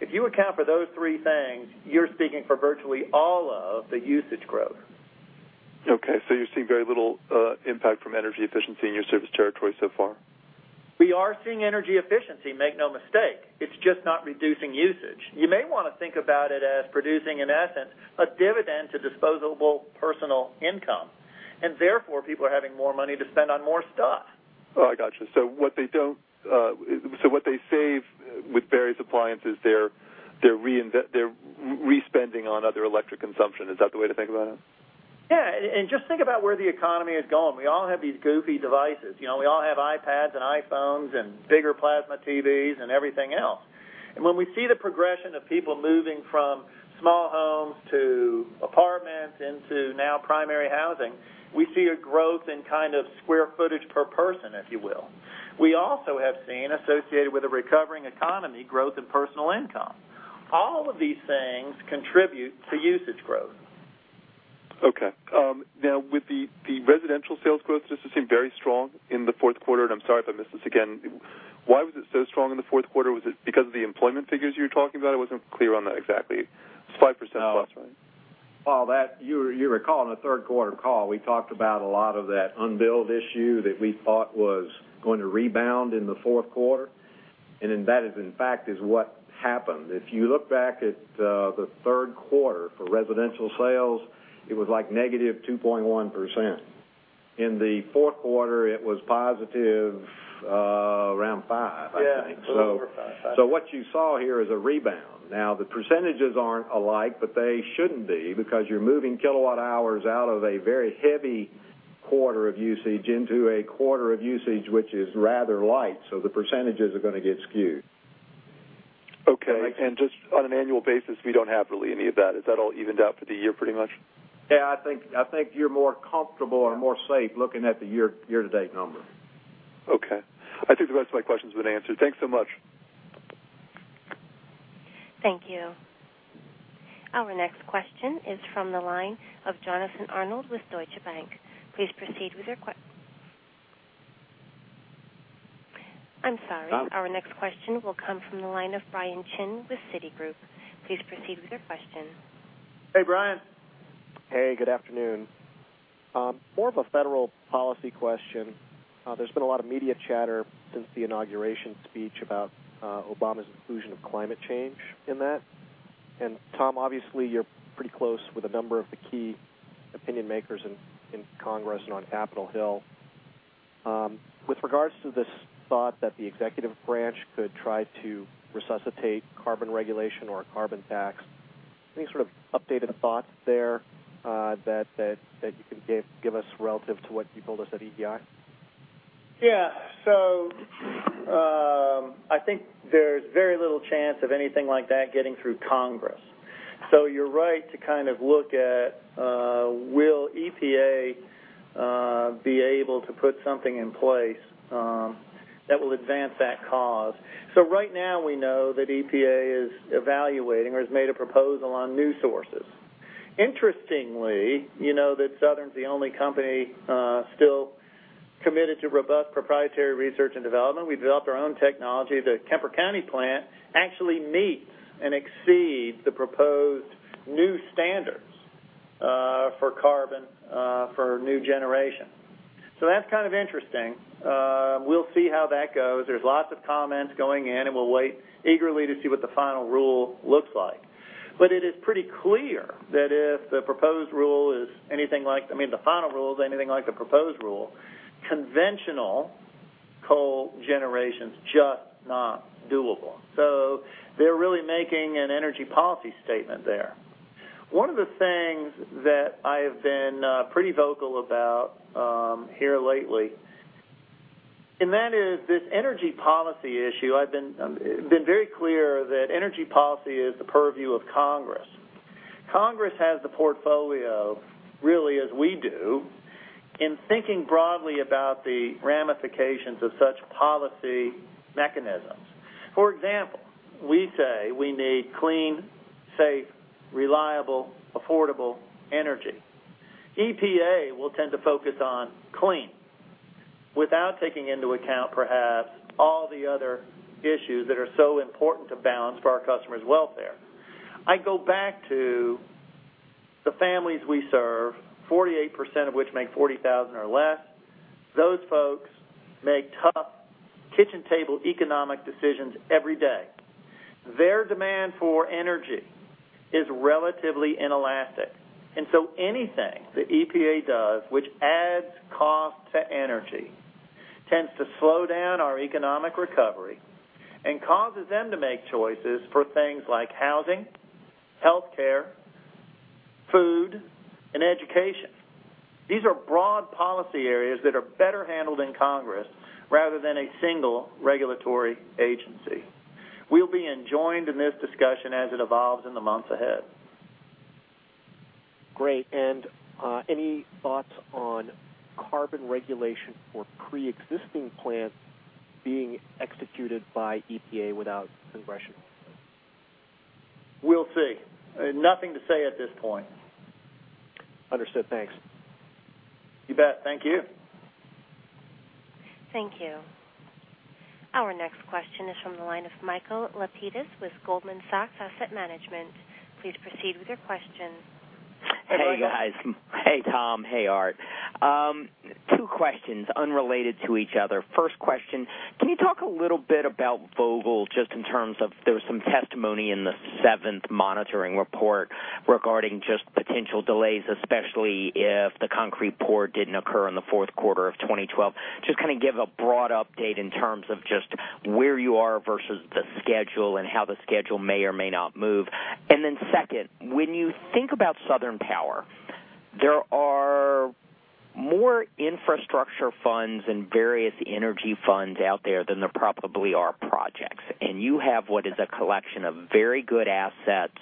If you account for those three things, you're speaking for virtually all of the usage growth. You're seeing very little impact from energy efficiency in your service territory so far? We are seeing energy efficiency, make no mistake. It's just not reducing usage. You may want to think about it as producing, in essence, a dividend to disposable personal income, and therefore people are having more money to spend on more stuff. I got you. What they save with various appliances, they're respending on other electric consumption. Is that the way to think about it? Yeah. Just think about where the economy is going. We all have these goofy devices. We all have iPads and iPhones and bigger plasma TVs and everything else. When we see the progression of people moving from small homes to apartments into now primary housing, we see a growth in square footage per person, if you will. We also have seen, associated with a recovering economy, growth in personal income. All of these things contribute to usage growth. Okay. Now with the residential sales growth, does it seem very strong in the fourth quarter? I'm sorry if I missed this again. Why was it so strong in the fourth quarter? Was it because of the employment figures you were talking about? I wasn't clear on that exactly. It's 5% plus, right? Paul, you recall on the third quarter call, we talked about a lot of that unbilled issue that we thought was going to rebound in the fourth quarter. That is in fact is what happened. If you look back at the third quarter for residential sales, it was like -2.1%. In the fourth quarter, it was positive around five, I think. Yeah. A little over five. What you saw here is a rebound. The percentages aren't alike, but they shouldn't be because you're moving kilowatt hours out of a very heavy quarter of usage into a quarter of usage which is rather light. The percentages are going to get skewed. Okay. Just on an annual basis, we don't have really any of that. Is that all evened out for the year pretty much? Yeah, I think you're more comfortable or more safe looking at the year-to-date number. Okay. I think the rest of my questions have been answered. Thanks so much. Thank you. Our next question is from the line of Jonathan Arnold with Deutsche Bank. Please proceed with your question. I'm sorry. Our next question will come from the line of Brian Chin with Citigroup. Please proceed with your question. Hey, Brian. Hey, good afternoon. More of a federal policy question. There has been a lot of media chatter since the inauguration speech about Obama's inclusion of climate change in that. Tom, obviously, you are pretty close with a number of the key opinion makers in Congress and on Capitol Hill. With regards to this thought that the executive branch could try to resuscitate carbon regulation or a carbon tax, any sort of updated thoughts there that you can give us relative to what you told us at EEI? Yeah. I think there's very little chance of anything like that getting through Congress. You're right to look at will EPA be able to put something in place that will advance that cause. Right now we know that EPA is evaluating or has made a proposal on new sources. Interestingly, Southern's the only company still committed to robust proprietary research and development. We developed our own technology. The Kemper County plant actually meets and exceeds the proposed new standards for carbon for new generation. That's kind of interesting. We'll see how that goes. There's lots of comments going in, and we'll wait eagerly to see what the final rule looks like. It is pretty clear that if the final rule is anything like the proposed rule, conventional coal generation's just not doable. They're really making an energy policy statement there. One of the things that I have been pretty vocal about here lately, that is this energy policy issue. I've been very clear that energy policy is the purview of Congress. Congress has the portfolio really as we do in thinking broadly about the ramifications of such policy mechanisms. For example, we say we need clean, safe, reliable, affordable energy. EPA will tend to focus on clean without taking into account perhaps all the other issues that are so important to balance for our customers' welfare. I go back to the families we serve, 48% of which make $40,000 or less. Those folks make tough kitchen table economic decisions every day. Their demand for energy is relatively inelastic. Anything the EPA does which adds cost to energy tends to slow down our economic recovery and causes them to make choices for things like housing, healthcare, food, and education. These are broad policy areas that are better handled in Congress rather than a single regulatory agency. We'll be enjoined in this discussion as it evolves in the months ahead. Great. Any thoughts on carbon regulation for preexisting plants being executed by EPA without congressional input? We'll see. Nothing to say at this point. Understood. Thanks. You bet. Thank you. Thank you. Our next question is from the line of Michael Lapides with Goldman Sachs Asset Management. Please proceed with your question. Hey, guys. Hey, Tom. Hey, Art. Two questions unrelated to each other. First question, can you talk a little bit about Vogtle just in terms of there was some testimony in the seventh monitoring report regarding just potential delays, especially if the concrete pour didn't occur in the fourth quarter of 2012. Just kind of give a broad update in terms of just where you are versus the schedule and how the schedule may or may not move. Second, when you think about Southern Power, there are more infrastructure funds and various energy funds out there than there probably are projects. You have what is a collection of very good assets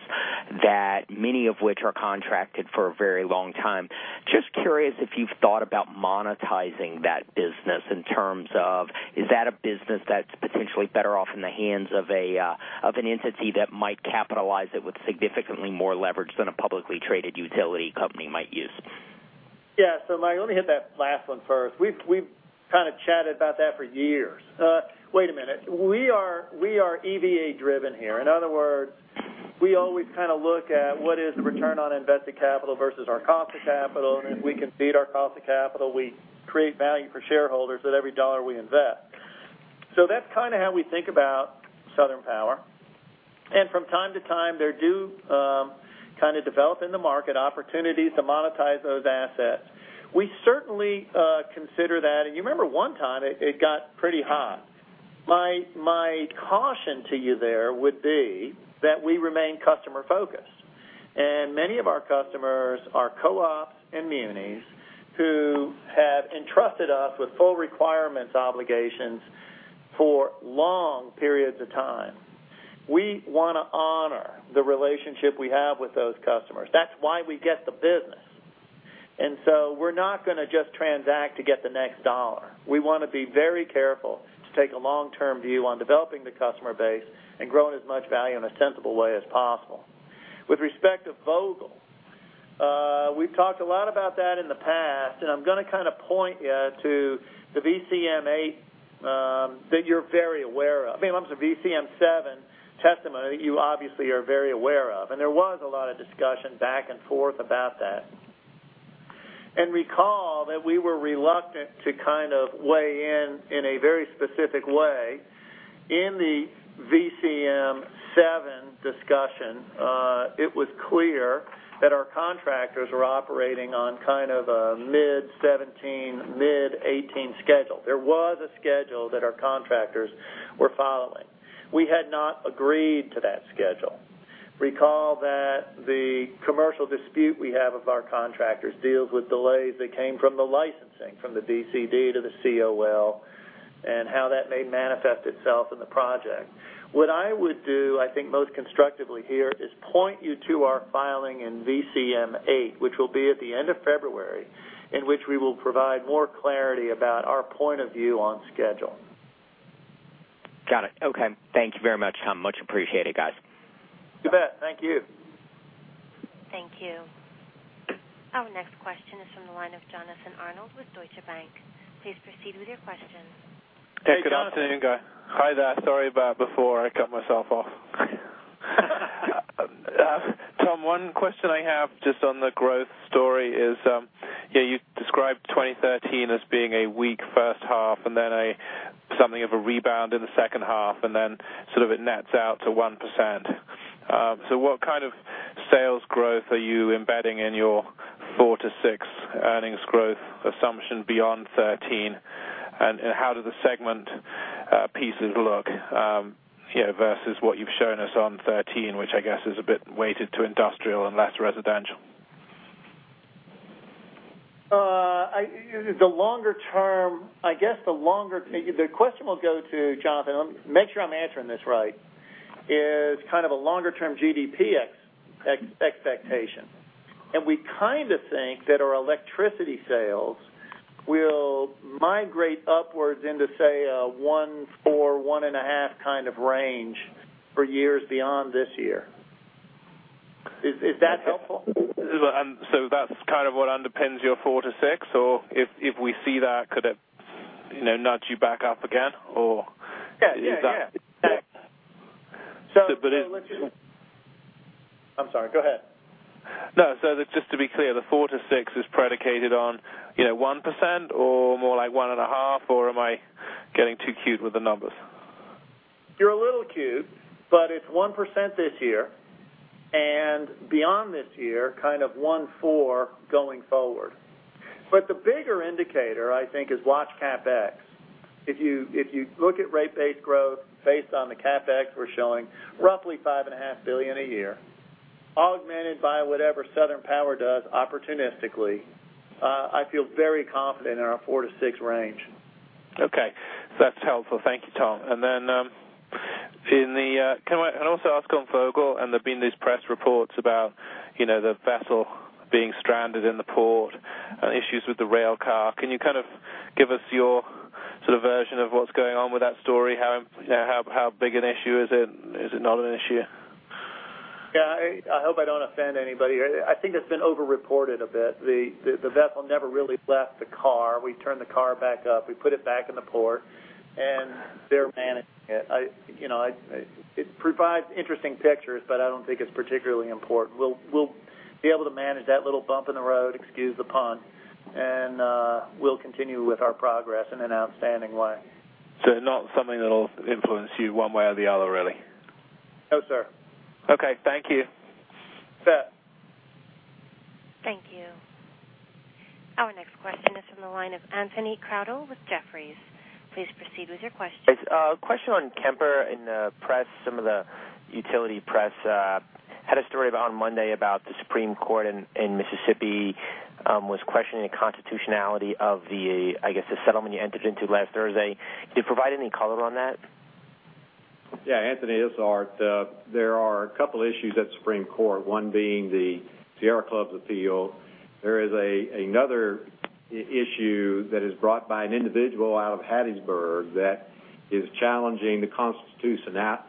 that many of which are contracted for a very long time. Just curious if you've thought about monetizing that business in terms of, is that a business that's potentially better off in the hands of an entity that might capitalize it with significantly more leverage than a publicly traded utility company might use? Yeah. Mike, let me hit that last one first. We've kind of chatted about that for years. Wait a minute. We are EVA driven here. In other words, we always kind of look at what is the return on invested capital versus our cost of capital. If we can beat our cost of capital, we create value for shareholders with every dollar we invest. That's kind of how we think about Southern Power. From time to time, there do kind of develop in the market opportunities to monetize those assets. We certainly consider that. You remember one time it got pretty hot. My caution to you there would be that we remain customer-focused. Many of our customers are co-ops and munis who have entrusted us with full requirements obligations for long periods of time. We want to honor the relationship we have with those customers. That's why we get the business. We're not going to just transact to get the next dollar. We want to be very careful to take a long-term view on developing the customer base and growing as much value in a sensible way as possible. With respect to Vogtle, we've talked a lot about that in the past, and I'm going to kind of point you to the VCM-8 that you're very aware of. I mean, in terms of VCM-7 testimony, you obviously are very aware of, and there was a lot of discussion back and forth about that. Recall that we were reluctant to kind of weigh in in a very specific way in the VCM-7 discussion. It was clear that our contractors were operating on kind of a mid 2017, mid 2018 schedule. There was a schedule that our contractors were following. We had not agreed to that schedule. Recall that the commercial dispute we have of our contractors deals with delays that came from the licensing, from the DCD to the COL, and how that may manifest itself in the project. What I would do, I think most constructively here, is point you to our filing in VCM-8, which will be at the end of February, in which we will provide more clarity about our point of view on schedule. Got it. Okay. Thank you very much, Tom. Much appreciated, guys. You bet. Thank you. Thank you. Our next question is from the line of Jonathan Arnold with Deutsche Bank. Please proceed with your question. Hey, good afternoon, guys. Hey, Jonathan. Hi there. Sorry about before. I cut myself off. Tom, one question I have just on the growth story is, you described 2013 as being a weak first half and then something of a rebound in the second half, and then it nets out to 1%. What kind of sales growth are you embedding in your 4%-6% earnings growth assumption beyond 2013? How do the segment pieces look versus what you've shown us on 2013, which I guess is a bit weighted to industrial and less residential? The question we'll go to, Jonathan, make sure I'm answering this right, is kind of a longer-term GDP expectation. We kind of think that our electricity sales will migrate upwards into, say, a 1.4, 1.5 kind of range for years beyond this year. Is that helpful? That's kind of what underpins your 4%-6%? If we see that, could it nudge you back up again? Is that? Yeah. it I'm sorry, go ahead. No, just to be clear, the 4%-6% is predicated on 1% or more like 1.5%? Am I getting too cute with the numbers? You're a little cute, it's 1% this year. Beyond this year, kind of 1.4 going forward. The bigger indicator, I think, is watch CapEx. If you look at rate base growth based on the CapEx, we're showing roughly $5.5 billion a year, augmented by whatever Southern Power does opportunistically. I feel very confident in our 4-6 range. Okay. That's helpful. Thank you, Tom. Can I also ask on Vogtle? There've been these press reports about the vessel being stranded in the port and issues with the rail car. Can you kind of give us your version of what's going on with that story? How big an issue is it? Is it not an issue? Yeah. I hope I don't offend anybody. I think it's been over-reported a bit. The vessel never really left the car. We turned the car back up. We put it back in the port, and they're managing it. It provides interesting pictures, but I don't think it's particularly important. We'll be able to manage that little bump in the road, excuse the pun, and we'll continue with our progress in an outstanding way. Not something that'll influence you one way or the other, really? No, sir. Okay. Thank you. You bet. Thank you. Our next question is from the line of Anthony Crowdell with Jefferies. Please proceed with your question. A question on Kemper in the press. Some of the utility press had a story on Monday about the Supreme Court in Mississippi was questioning the constitutionality of the settlement you entered into last Thursday. Could you provide any color on that? Yeah, Anthony, it's Art. There are a couple issues at the Supreme Court. One being the Sierra Club's appeal. There is another issue that is brought by an individual out of Hattiesburg that is challenging the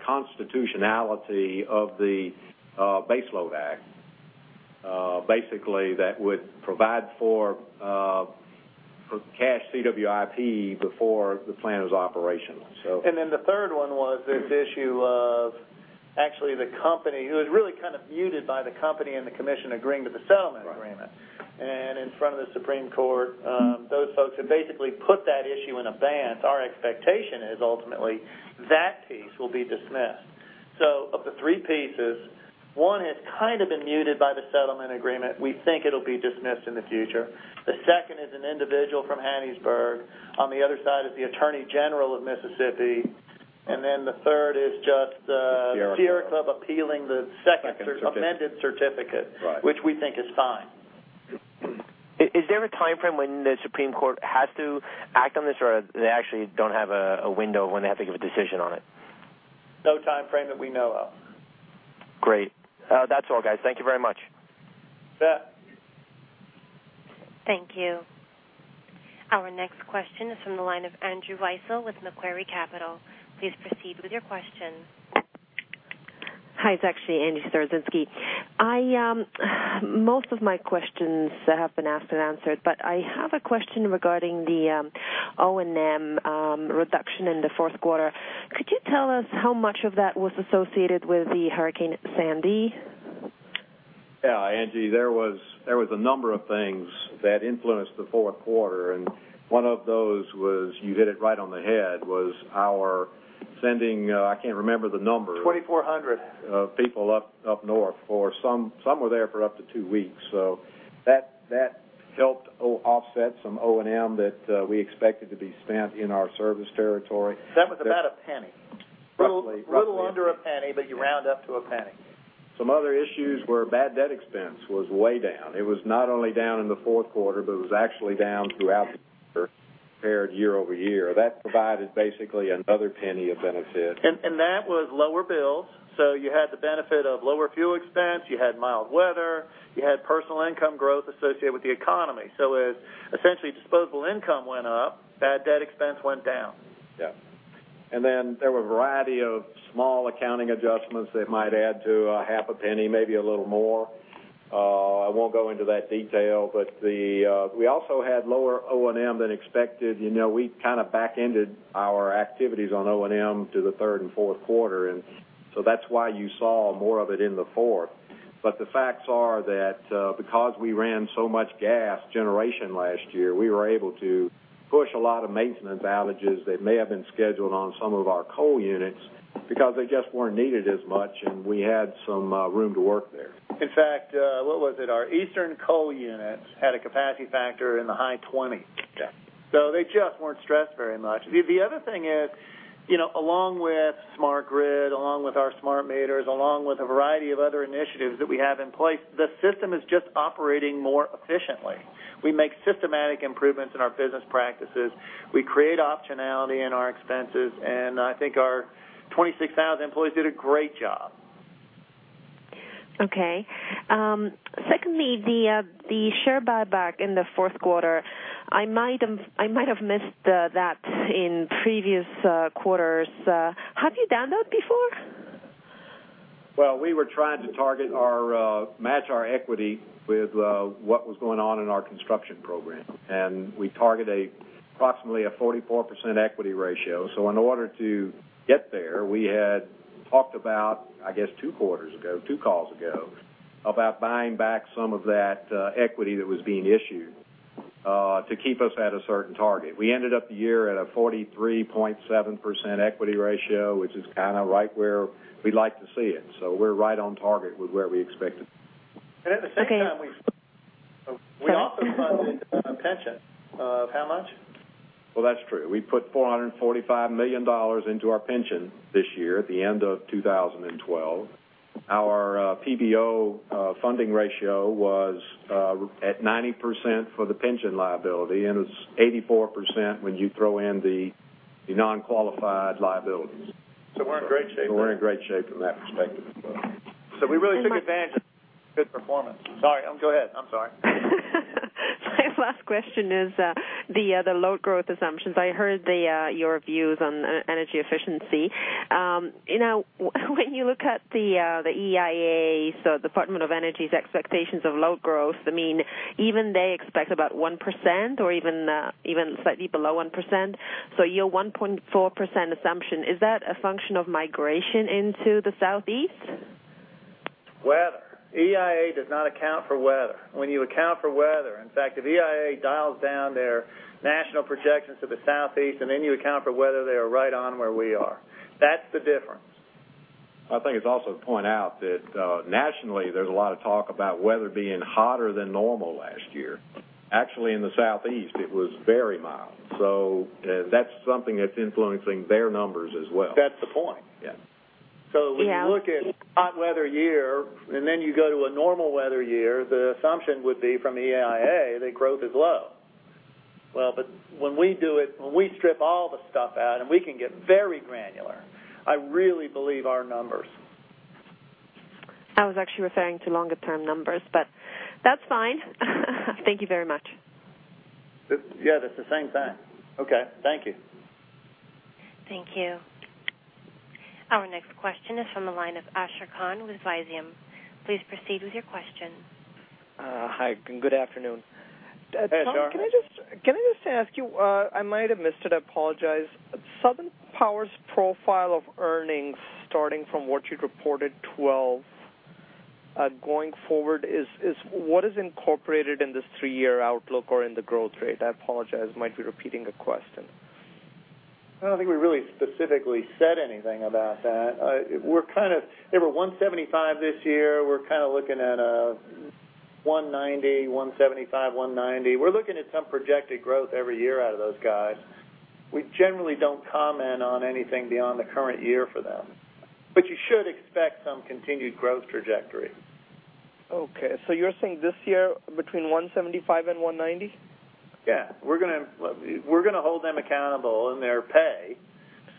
constitutionality of the Baseload Act. Basically, that would provide for cash CWIP before the plan was operational. The third one was this issue of actually the company who was really kind of muted by the company and the commission agreeing to the settlement agreement. Right. In front of the Supreme Court, those folks have basically put that issue in abeyance. Our expectation is ultimately that piece will be dismissed. Of the three pieces, one has kind of been muted by the settlement agreement. We think it'll be dismissed in the future. The second is an individual from Hattiesburg. On the other side is the Attorney General of Mississippi. The third is just. Sierra Club Sierra Club appealing the second second certificate amended certificate. Right. Which we think is fine. Is there a timeframe when the Supreme Court has to act on this? They actually don't have a window when they have to give a decision on it? No timeframe that we know of. Great. That's all, guys. Thank you very much. You bet. Thank you. Our next question is from the line of Andrew Weisel with Macquarie Capital. Please proceed with your question. Hi. It's actually Angie Storozynski. Most of my questions have been asked and answered, but I have a question regarding the O&M reduction in the fourth quarter. Could you tell us how much of that was associated with the Hurricane Sandy? Yeah, Angie. There was a number of things that influenced the fourth quarter, and one of those was, you hit it right on the head, was our sending. 2,400 of people up north for some were there for up to two weeks. That helped offset some O&M that we expected to be spent in our service territory. That was about $0.01. Roughly. A little under $0.01. You round up to $0.01. Some other issues were bad debt expense was way down. It was not only down in the fourth quarter, but it was actually down throughout the year compared year-over-year. That provided basically another $0.01 of benefit. That was lower bills. You had the benefit of lower fuel expense. You had mild weather. You had personal income growth associated with the economy. As essentially disposable income went up, bad debt expense went down. There were a variety of small accounting adjustments that might add to a half a penny, maybe a little more. I won't go into that detail. We also had lower O&M than expected. We back-ended our activities on O&M to the third and fourth quarter. That's why you saw more of it in the fourth. The facts are that because we ran so much gas generation last year, we were able to push a lot of maintenance outages that may have been scheduled on some of our coal units because they just weren't needed as much, and we had some room to work there. In fact, what was it? Our eastern coal units had a capacity factor in the high 20s. Yeah. They just weren't stressed very much. The other thing is, along with smart grid, along with our smart meters, along with a variety of other initiatives that we have in place, the system is just operating more efficiently. We make systematic improvements in our business practices. We create optionality in our expenses, and I think our 26,000 employees did a great job. Okay. Secondly, the share buyback in the fourth quarter. I might have missed that in previous quarters. Have you done that before? Well, we were trying to match our equity with what was going on in our construction program. We target approximately a 44% equity ratio. In order to get there, we had talked about, I guess two quarters ago, two calls ago, about buying back some of that equity that was being issued to keep us at a certain target. We ended up the year at a 43.7% equity ratio, which is right where we'd like to see it. We're right on target with where we expected. At the same time we- Okay. We also funded a pension of how much? Well, that's true. We put $445 million into our pension this year at the end of 2012. Our PBO funding ratio was at 90% for the pension liability. It's 84% when you throw in the non-qualified liabilities. We're in great shape there. We're in great shape from that perspective as well. And my- We really took advantage of good performance. Sorry, go ahead. I'm sorry. My last question is the load growth assumptions. I heard your views on energy efficiency. When you look at the EIA, the Department of Energy's expectations of load growth, even they expect about 1% or even slightly below 1%. Your 1.4% assumption, is that a function of migration into the Southeast? Weather. EIA does not account for weather. When you account for weather, in fact, if EIA dials down their national projections to the Southeast, and then you account for weather, they are right on where we are. That's the difference. I think it's also to point out that nationally, there's a lot of talk about weather being hotter than normal last year. Actually, in the Southeast, it was very mild. That's something that's influencing their numbers as well. That's the point. Yeah. Yeah. When you look at hot weather year, and then you go to a normal weather year, the assumption would be from EIA that growth is low. When we do it, when we strip all the stuff out, and we can get very granular. I really believe our numbers. I was actually referring to longer-term numbers, but that's fine. Thank you very much. Yeah, that's the same thing. Okay. Thank you. Thank you. Our next question is from the line of Asher Khan with Visium. Please proceed with your question. Hi, good afternoon. Hey, Asher. Tom, can I just ask you, I might have missed it, I apologize. Southern Power's profile of earnings starting from what you'd reported 2012 going forward is, what is incorporated in this three-year outlook or in the growth rate? I apologize, might be repeating a question. I don't think we really specifically said anything about that. They were $175 this year. We're kind of looking at a $190, $175, $190. We're looking at some projected growth every year out of those guys. We generally don't comment on anything beyond the current year for them. You should expect some continued growth trajectory. Okay. You're saying this year between $175-$190? Yeah. We're going to hold them accountable in their pay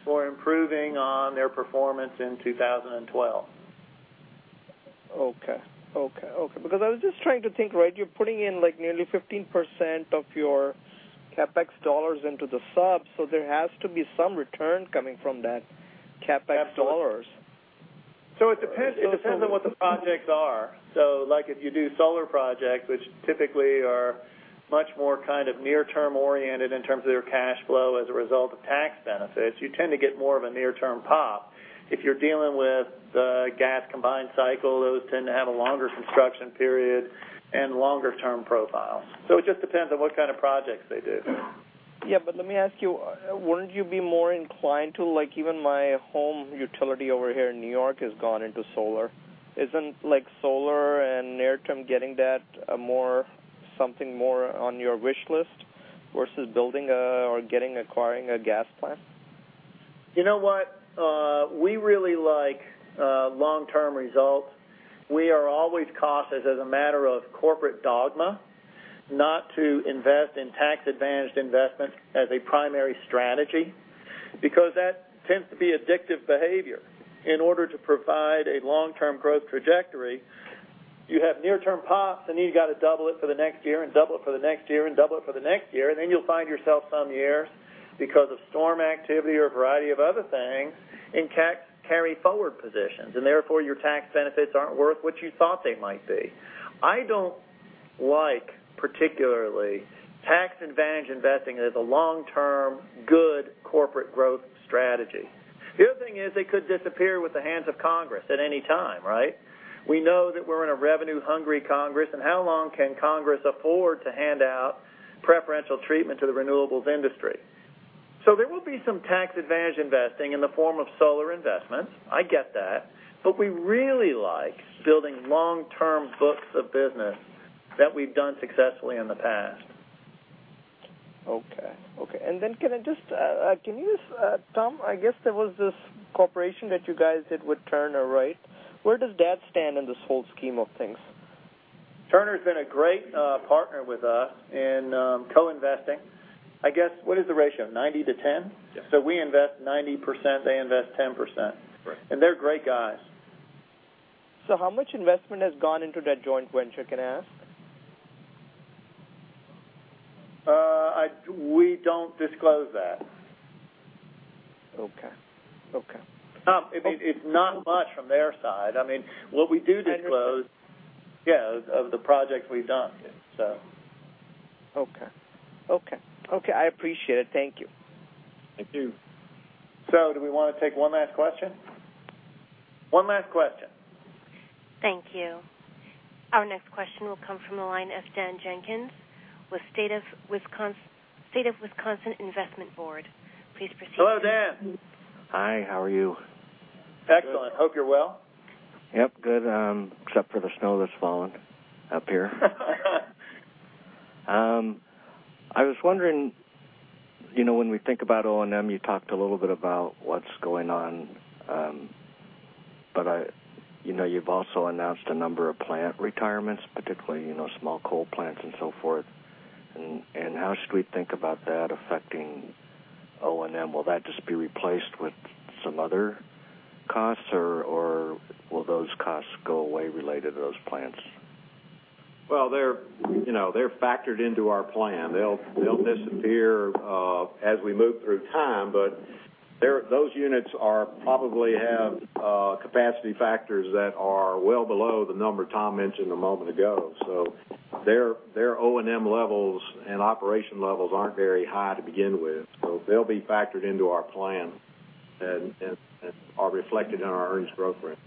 for improving on their performance in 2012. Okay. I was just trying to think, right? You're putting in nearly 15% of your CapEx dollars into the subs, so there has to be some return coming from that CapEx dollars. Absolutely. It depends on what the projects are. If you do solar projects, which typically are much more near-term oriented in terms of their cash flow as a result of tax benefits, you tend to get more of a near-term pop. If you're dealing with the gas combined cycle, those tend to have a longer construction period and longer-term profile. It just depends on what kind of projects they do. Let me ask you, wouldn't you be more inclined to even my home utility over here in N.Y. has gone into solar. Isn't solar and near-term getting that something more on your wish list versus building or acquiring a gas plant? You know what? We really like long-term results. We are always cautious as a matter of corporate dogma not to invest in tax-advantaged investments as a primary strategy because that tends to be addictive behavior. In order to provide a long-term growth trajectory, you have near-term pops, and you've got to double it for the next year and double it for the next year and double it for the next year. Then you'll find yourself some years, because of storm activity or a variety of other things, in carry forward positions, and therefore your tax benefits aren't worth what you thought they might be. I don't like, particularly, tax-advantaged investing as a long-term, good corporate growth strategy. The other thing is they could disappear with the hands of Congress at any time. We know that we're in a revenue-hungry Congress. How long can Congress afford to hand out preferential treatment to the renewables industry? There will be some tax-advantaged investing in the form of solar investments. I get that. We really like building long-term books of business that we've done successfully in the past. Okay. Can you just, Tom, I guess there was this cooperation that you guys did with Turner, right? Where does that stand in this whole scheme of things? Turner's been a great partner with us in co-investing. I guess, what is the ratio, 90 to 10? Yes. We invest 90%, they invest 10%. Correct. They're great guys. How much investment has gone into that joint venture, can I ask? We don't disclose that. Okay. It's not much from their side. What we do disclose. I understand. Yeah, of the projects we've done. Okay. I appreciate it. Thank you. Thank you. Do we want to take one last question? One last question. Thank you. Our next question will come from the line of Dan Jenkins with State of Wisconsin Investment Board. Please proceed. Hello, Dan. Hi. How are you? Excellent. Hope you're well. Yep. Good, except for the snow that's falling up here. I was wondering, when we think about O&M, you talked a little bit about what's going on. You've also announced a number of plant retirements, particularly small coal plants and so forth. How should we think about that affecting O&M? Will that just be replaced with some other costs, or will those costs go away related to those plants? They're factored into our plan. They'll disappear as we move through time. Those units probably have capacity factors that are well below the number Tom mentioned a moment ago. Their O&M levels and operation levels aren't very high to begin with, they'll be factored into our plan and are reflected in our earnings growth rate.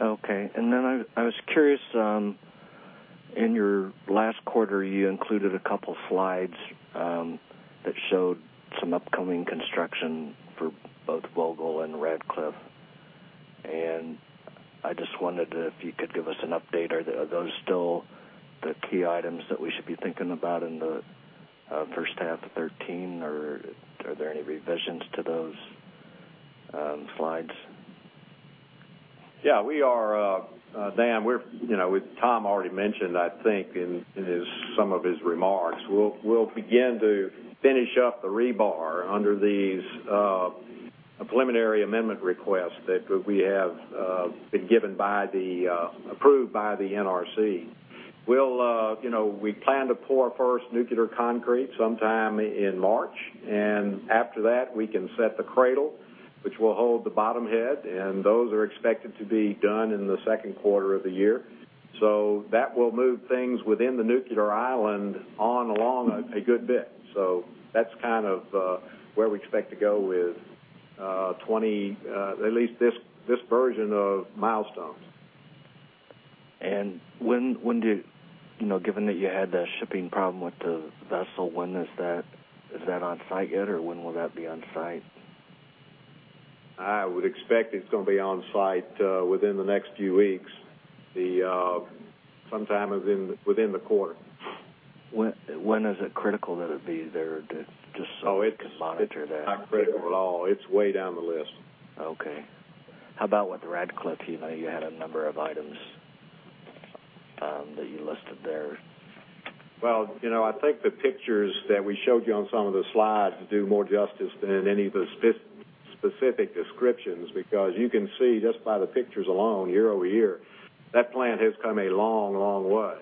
Okay. I was curious, in your last quarter, you included a couple slides that showed some upcoming construction for both Vogtle and Ratcliffe, I just wondered if you could give us an update. Are those still the key items that we should be thinking about in the first half of 2013, are there any revisions to those slides? Yeah. Dan, as Tom already mentioned, I think in some of his remarks, we'll begin to finish up the rebar under these preliminary amendment requests that we have been approved by the NRC. We plan to pour our first nuclear concrete sometime in March, after that, we can set the cradle, which will hold the bottom head, those are expected to be done in the second quarter of the year. That will move things within the nuclear island on along a good bit. That's kind of where we expect to go with at least this version of milestones. Given that you had that shipping problem with the vessel, is that on site yet, when will that be on site? I would expect it's going to be on site within the next few weeks, sometime within the quarter. When is it critical that it be there, just so we can monitor that? Oh, it's not critical at all. It's way down the list. Okay. How about with Ratcliffe? You had a number of items that you listed there. I think the pictures that we showed you on some of the slides do more justice than any of the specific descriptions because you can see just by the pictures alone, year-over-year, that plant has come a long way.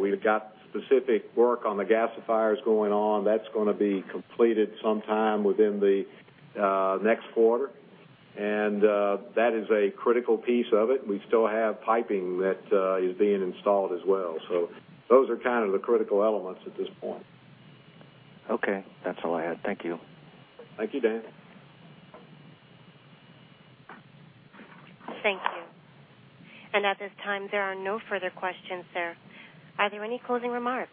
We've got specific work on the gasifiers going on. That's going to be completed sometime within the next quarter, and that is a critical piece of it. We still have piping that is being installed as well. Those are kind of the critical elements at this point. That's all I had. Thank you. Thank you, Dan. Thank you. At this time, there are no further questions, sir. Are there any closing remarks?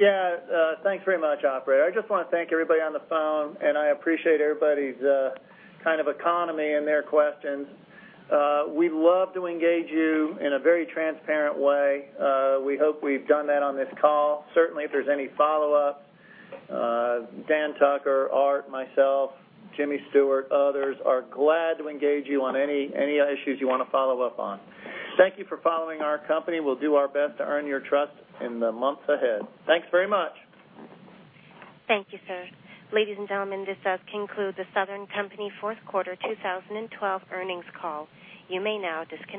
Yeah. Thanks very much, operator. I just want to thank everybody on the phone, and I appreciate everybody's economy in their questions. We love to engage you in a very transparent way. We hope we've done that on this call. Certainly, if there's any follow-up, Dan Tucker, Art, myself, Jerry Stewart, others are glad to engage you on any issues you want to follow up on. Thank you for following our company. We'll do our best to earn your trust in the months ahead. Thanks very much. Thank you, sir. Ladies and gentlemen, this does conclude the Southern Company fourth quarter 2012 earnings call. You may now disconnect.